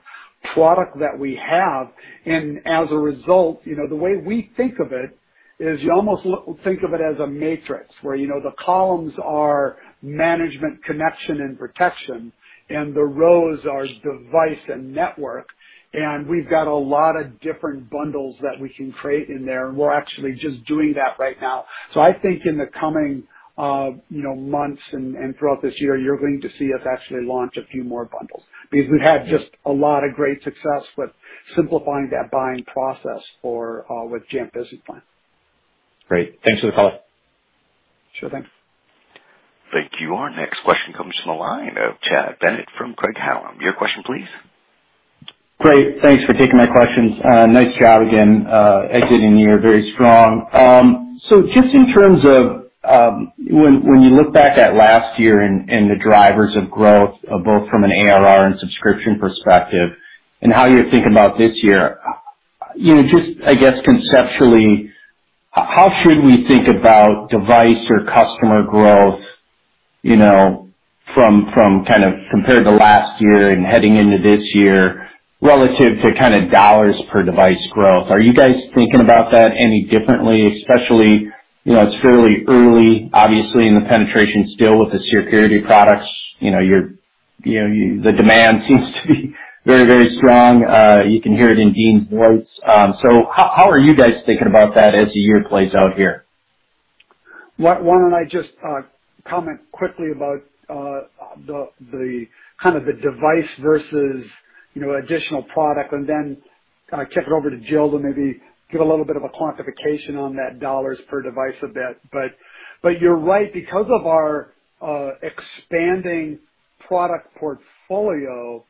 product that we have. As a result, you know, the way we think of it is you almost think of it as a matrix, where, you know, the columns are management, connection and protection, and the rows are device and network. We've got a lot of different bundles that we can create in there, and we're actually just doing that right now. I think in the coming, you know, months and throughout this year, you're going to see us actually launch a few more bundles. Because we've had just a lot of great success with simplifying that buying process for with Jamf Business Plan. Great. Thanks for the call. Sure thing. Thank you. Our next question comes from the line of Chad Bennett from Craig-Hallum. Your question, please. Great. Thanks for taking my questions. Nice job again, exiting the year very strong. Just in terms of, when you look back at last year and the drivers of growth, both from an ARR and subscription perspective and how you're thinking about this year, you know, just I guess conceptually, how should we think about device or customer growth, you know, from kind of compared to last year and heading into this year relative to kind of dollars per device growth? Are you guys thinking about that any differently? Especially, you know, it's fairly early, obviously, in the penetration still with the security products. You know, your, you know, the demand seems to be very, very strong. You can hear it in Dean's voice. How are you guys thinking about that as the year plays out here? Why don't I just comment quickly about the kind of device versus, you know, additional product and then kick it over to Jill to maybe give a little bit of a quantification on that dollars per device a bit. You're right. Because of our expanding product portfolio,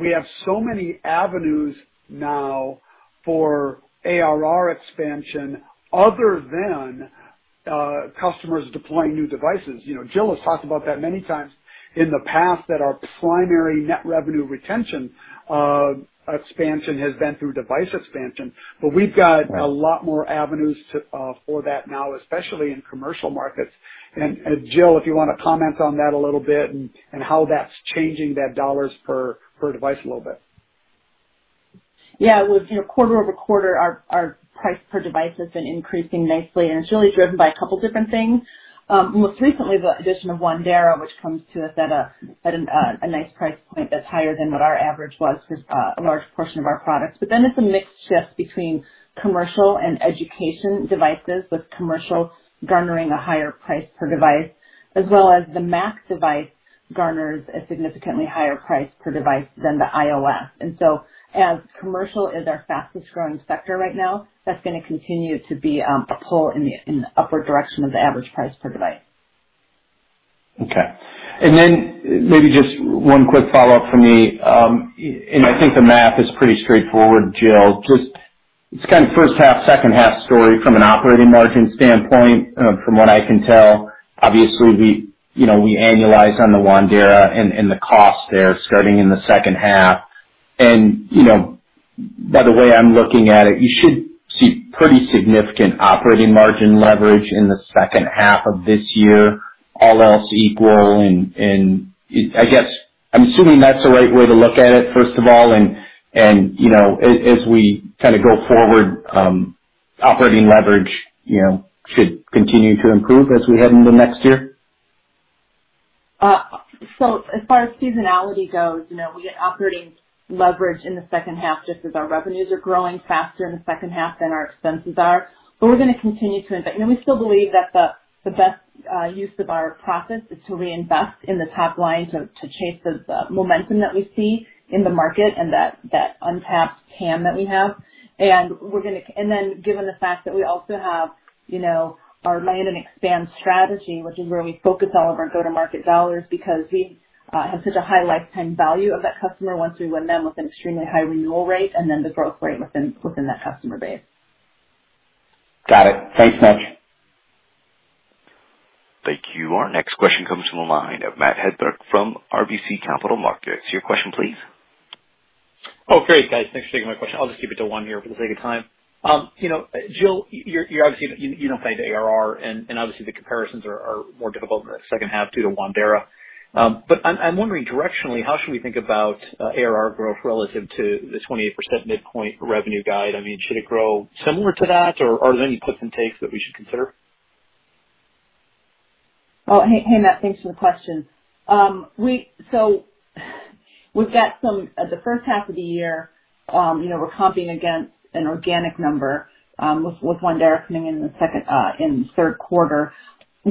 we have so many avenues now for ARR expansion other than customers deploying new devices. You know, Jill has talked about that many times in the past that our primary net revenue retention expansion has been through device expansion. We've got a lot more avenues for that now, especially in commercial markets. Jill, if you wanna comment on that a little bit and how that's changing that dollars per device a little bit. Yeah. Well, you know, quarter over quarter our price per device has been increasing nicely, and it's really driven by a couple different things. Most recently, the addition of Wandera, which comes to us at a nice price point that's higher than what our average was for a large portion of our products. But then it's a mix shift between commercial and education devices, with commercial garnering a higher price per device, as well as the Mac device garners a significantly higher price per device than the iOS. As commercial is our fastest growing sector right now, that's gonna continue to be a pull in the upward direction of the average price per device. Okay. Maybe just one quick follow-up from me. I think the math is pretty straightforward, Jill. It's kind of first half, second half story from an operating margin standpoint, from what I can tell. Obviously, we annualize on the Wandera and the cost there starting in the second half. You know, by the way I'm looking at it, you should see pretty significant operating margin leverage in the second half of this year, all else equal. I guess I'm assuming that's the right way to look at it, first of all, and you know, as we kinda go forward, operating leverage should continue to improve as we head into next year. As far as seasonality goes, you know, we get operating leverage in the second half just as our revenues are growing faster in the second half than our expenses are. We're gonna continue to invest. You know, we still believe that the best use of our profits is to reinvest in the top line to chase the momentum that we see in the market and that untapped TAM that we have. Given the fact that we also have, you know, our land and expand strategy, which is where we focus all of our go-to-market dollars because we have such a high lifetime value of that customer once we win them with an extremely high renewal rate and then the growth rate within that customer base. Got it. Thanks much. Thank you. Our next question comes from the line of Matt Hedberg from RBC Capital Markets. Your question please. Oh, great, guys. Thanks for taking my question. I'll just keep it to one here for the sake of time. You know, Jill, you're obviously, you don't guide ARR, and obviously the comparisons are more difficult in the second half due to Wandera. I'm wondering directionally, how should we think about ARR growth relative to the 28% midpoint revenue guide? I mean, should it grow similar to that, or are there any puts and takes that we should consider? Oh, hey, Matt. Thanks for the question. The first half of the year, you know, we're comping against an organic number, with Wandera coming in in the third quarter. The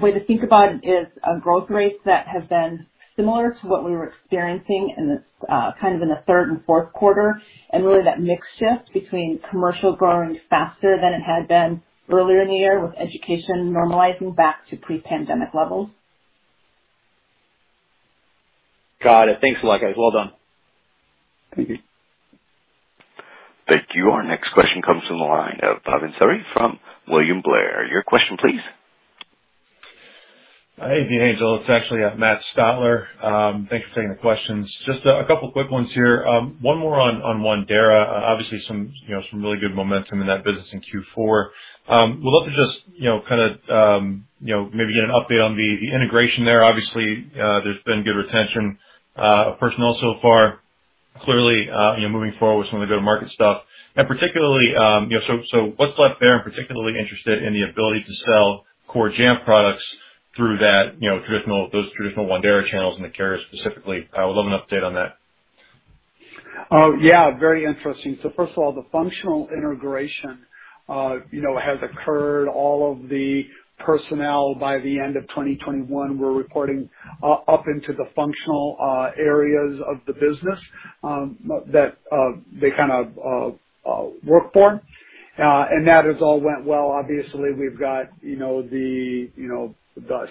way to think about it is a growth rates that have been similar to what we were experiencing in this kind of in the third and fourth quarter, and really that mix shift between Commercial growing faster than it had been earlier in the year, with Education normalizing back to pre-pandemic levels. Got it. Thanks a lot, guys. Well done. Thank you. Thank you. Our next question comes from the line of Bhavan Suri from William Blair. Your question please. Hey, Dean and Jill. It's actually Matt Stotler. Thanks for taking the questions. Just a couple quick ones here. One more on Wandera. Obviously some you know some really good momentum in that business in Q4. Would love to just you know kinda maybe get an update on the integration there. Obviously there's been good retention of personnel so far. Clearly you know moving forward with some of the go-to-market stuff. Particularly you know so what's left there, I'm particularly interested in the ability to sell core Jamf products through that you know traditional Wandera channels and the carriers specifically. I would love an update on that. Yeah, very interesting. First of all, the functional integration, you know, has occurred. All of the personnel by the end of 2021 were reporting up into the functional areas of the business, that they kind of work for. That has all went well. Obviously we've got, you know, the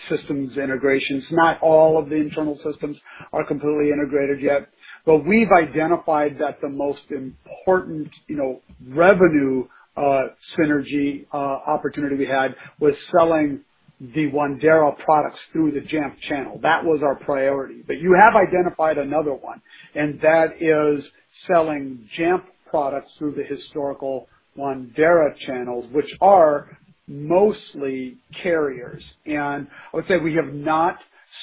systems integrations. Not all of the internal systems are completely integrated yet. We've identified that the most important, you know, revenue synergy opportunity we had was selling the Wandera products through the Jamf channel. That was our priority. You have identified another one, and that is selling Jamf products through the historical Wandera channels, which are mostly carriers. I would say we have not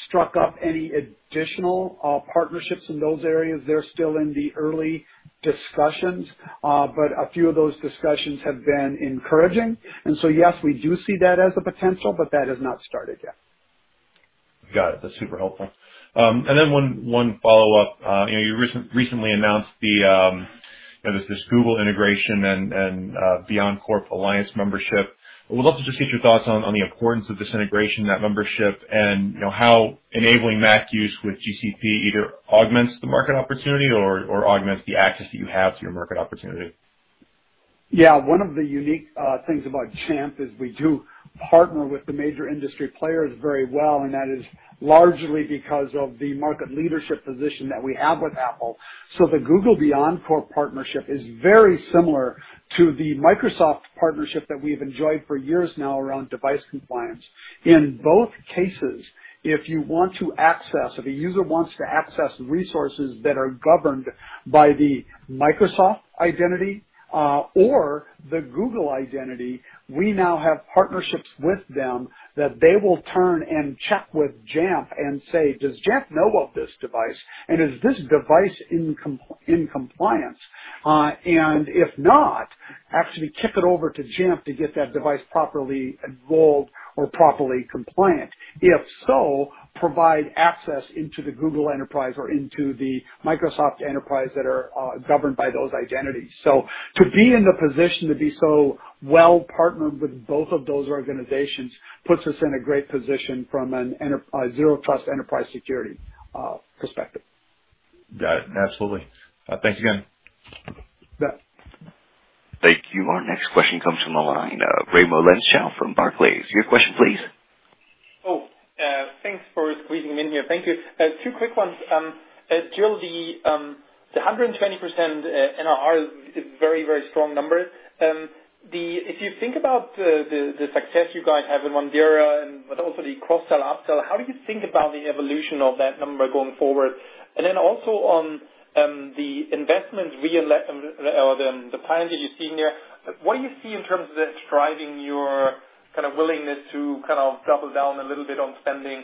struck up any additional partnerships in those areas. They're still in the early discussions, but a few of those discussions have been encouraging. Yes, we do see that as a potential, but that has not started yet. Got it. That's super helpful. One follow-up. You know, you recently announced this Google integration and BeyondCorp Alliance membership. I would love to just get your thoughts on the importance of this integration, that membership, and you know, how enabling that use with GCP either augments the market opportunity or augments the access that you have to your market opportunity. Yeah. One of the unique things about Jamf is we do partner with the major industry players very well, and that is largely because of the market leadership position that we have with Apple. The Google BeyondCorp partnership is very similar to the Microsoft partnership that we've enjoyed for years now around device compliance. In both cases, if a user wants to access resources that are governed by the Microsoft identity or the Google identity, we now have partnerships with them that they will turn and check with Jamf and say, "Does Jamf know of this device? And is this device in compliance?" And if not, actually kick it over to Jamf to get that device properly enrolled or properly compliant. If so, provide access into the Google enterprise or into the Microsoft enterprise that are governed by those identities. To be in the position to be so well-partnered with both of those organizations puts us in a great position from an enterprise Zero Trust security perspective. Got it. Absolutely. Thanks again. Yeah. Thank you. Our next question comes from the line of Raimo Lenschow from Barclays. Your question please. Thanks for squeezing me in here. Thank you. Two quick ones. Jill, the 120% NRR is a very, very strong number. If you think about the success you guys have in Wandera and but also the cross-sell, up-sell, how do you think about the evolution of that number going forward? Then also on the investment environment or the plans that you're seeing there, what do you see in terms of that driving your willingness to double down a little bit on spending,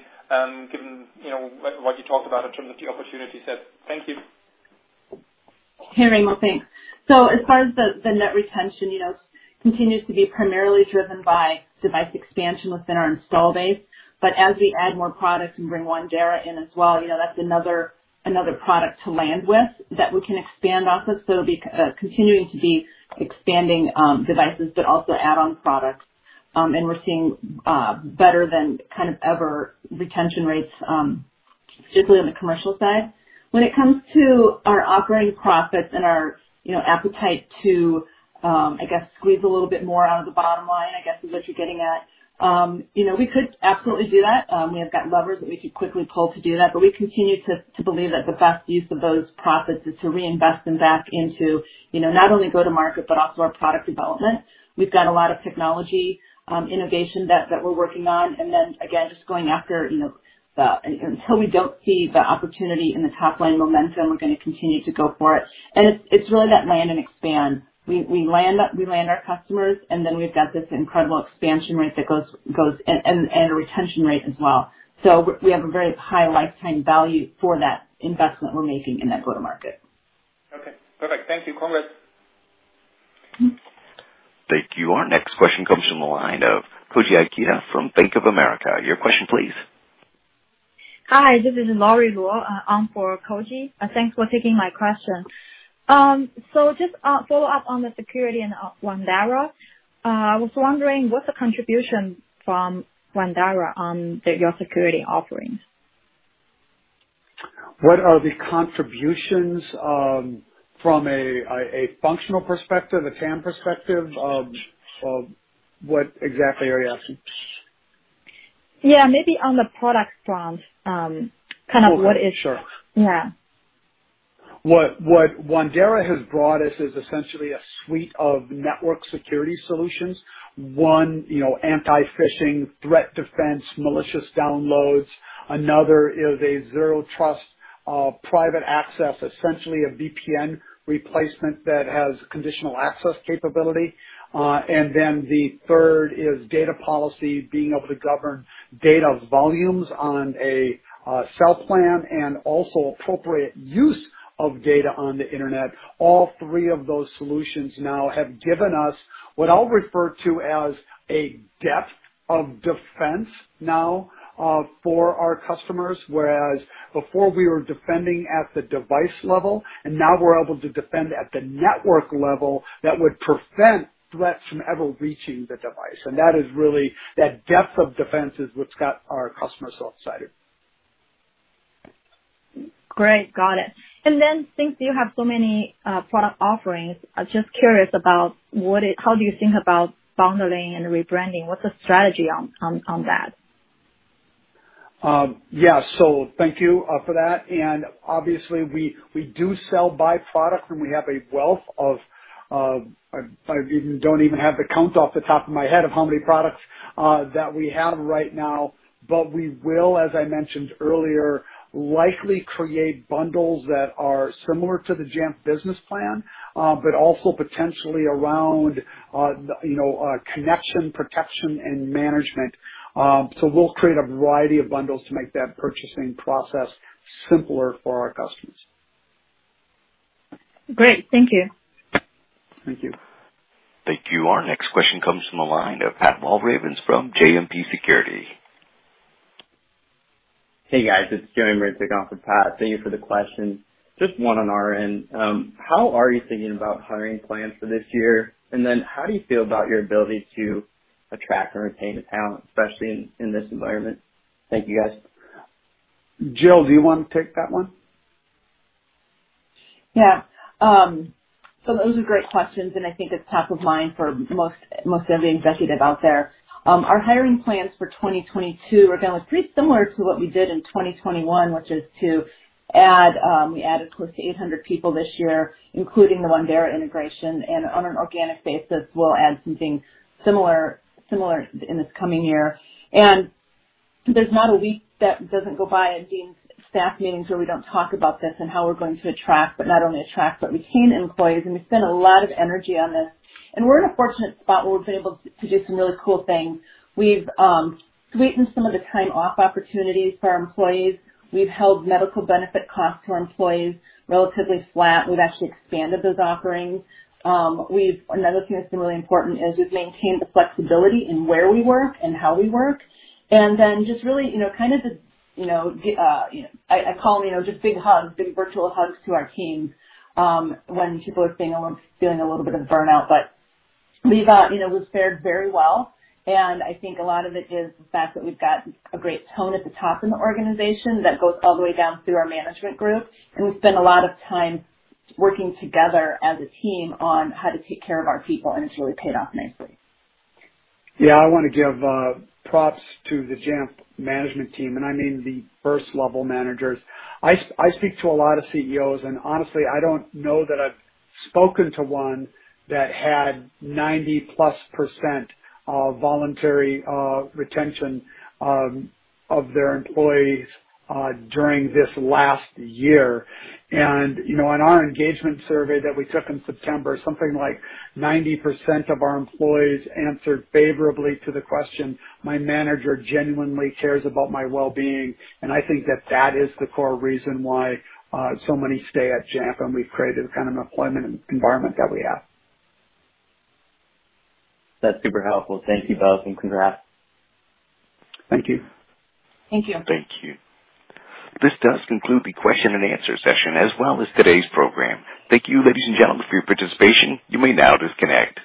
given you know what you talked about in terms of the opportunity set? Thank you. Hey, Raimo Lenschow. Thanks. As far as the net retention, you know, continues to be primarily driven by device expansion within our install base. But as we add more products and bring Wandera in as well, you know, that's another product to land with that we can expand off of. It'll be continuing to be expanding devices, but also add-on products. We're seeing better than kind of ever retention rates, particularly on the commercial side. When it comes to our operating profits and our, you know, appetite to, I guess, squeeze a little bit more out of the bottom line, I guess, is what you're getting at. You know, we could absolutely do that. We have got levers that we could quickly pull to do that, but we continue to believe that the best use of those profits is to reinvest them back into, you know, not only go-to-market, but also our product development. We've got a lot of technology innovation that we're working on. Again, just going after, you know, until we don't see the opportunity in the top-line momentum, we're gonna continue to go for it. It's really that land and expand. We land our customers, and then we've got this incredible expansion rate that goes and a retention rate as well. We have a very high lifetime value for that investment we're making in that go-to-market. Okay. Perfect. Thank you. Congrats. Mm-hmm. Thank you. Our next question comes from the line of Koji Ikeda from Bank of America. Your question please. Hi, this is Laurie Luo on for Koji. Thanks for taking my question. Just a follow-up on the security and Wandera. I was wondering what's the contribution from Wandera to your security offerings? What are the contributions, from a functional perspective, a TAM perspective, of what exactly are you asking? Yeah, maybe on the product front, kind of what is-? Oh. Sure. Yeah. What Wandera has brought us is essentially a suite of network security solutions. One, you know, anti-phishing, Threat Defense, malicious downloads. Another is a Zero Trust Private Access, essentially a VPN replacement that has conditional access capability. The third is Data Policy, being able to govern data volumes on a cell plan and also appropriate use of data on the Internet. All three of those solutions now have given us what I'll refer to as a depth of defense for our customers. Whereas before we were defending at the device level, and now we're able to defend at the network level that would prevent threats from ever reaching the device. That is really, that depth of defense is what's got our customers all excited. Great. Got it. Since you have so many product offerings, I'm just curious about how you think about bundling and rebranding. What's the strategy on that? Thank you for that. Obviously we do sell by product. I don't even have the count off the top of my head of how many products that we have right now, but we will, as I mentioned earlier, likely create bundles that are similar to the Jamf Business Plan, but also potentially around, you know, connection, protection and management. We'll create a variety of bundles to make that purchasing process simpler for our customers. Great. Thank you. Thank you. Thank you. Our next question comes from the line of Pat Walravens from JMP Securities. Hey, guys. It's Joey Marincek for Pat. Thank you for the question. Just one on our end. How are you thinking about hiring plans for this year? How do you feel about your ability to attract and retain talent, especially in this environment? Thank you, guys. Jill, do you wanna take that one? Yeah. So those are great questions, and I think it's top of mind for most every executive out there. Our hiring plans for 2022 are gonna look pretty similar to what we did in 2021, which is to add, we added close to 800 people this year, including the Wandera integration. On an organic basis, we'll add something similar in this coming year. There's not a week that doesn't go by in Dean's staff meetings where we don't talk about this and how we're going to attract, but not only attract, but retain employees. We spend a lot of energy on this. We're in a fortunate spot where we've been able to do some really cool things. We've sweetened some of the time-off opportunities for our employees. We've held medical benefit costs to our employees relatively flat. We've actually expanded those offerings. Another thing that's been really important is we've maintained the flexibility in where we work and how we work. Just really you know I call you know just big hugs, big virtual hugs to our team when people are feeling a little bit of burnout. We've fared very well, and I think a lot of it is the fact that we've got a great tone at the top in the organization that goes all the way down through our management group, and we've spent a lot of time working together as a team on how to take care of our people, and it's really paid off nicely. Yeah. I wanna give props to the Jamf management team, and I mean the first level managers. I speak to a lot of CEOs, and honestly, I don't know that I've spoken to one that had 90%+ of voluntary retention of their employees during this last year. You know, on our engagement survey that we took in September, something like 90% of our employees answered favorably to the question, "My manager genuinely cares about my well-being." I think that is the core reason why so many stay at Jamf, and we've created the kind of employment environment that we have That's super helpful. Thank you both, and congrats. Thank you. Thank you. Thank you. This does conclude the question and answer session as well as today's program. Thank you, ladies and gentlemen, for your participation. You may now disconnect.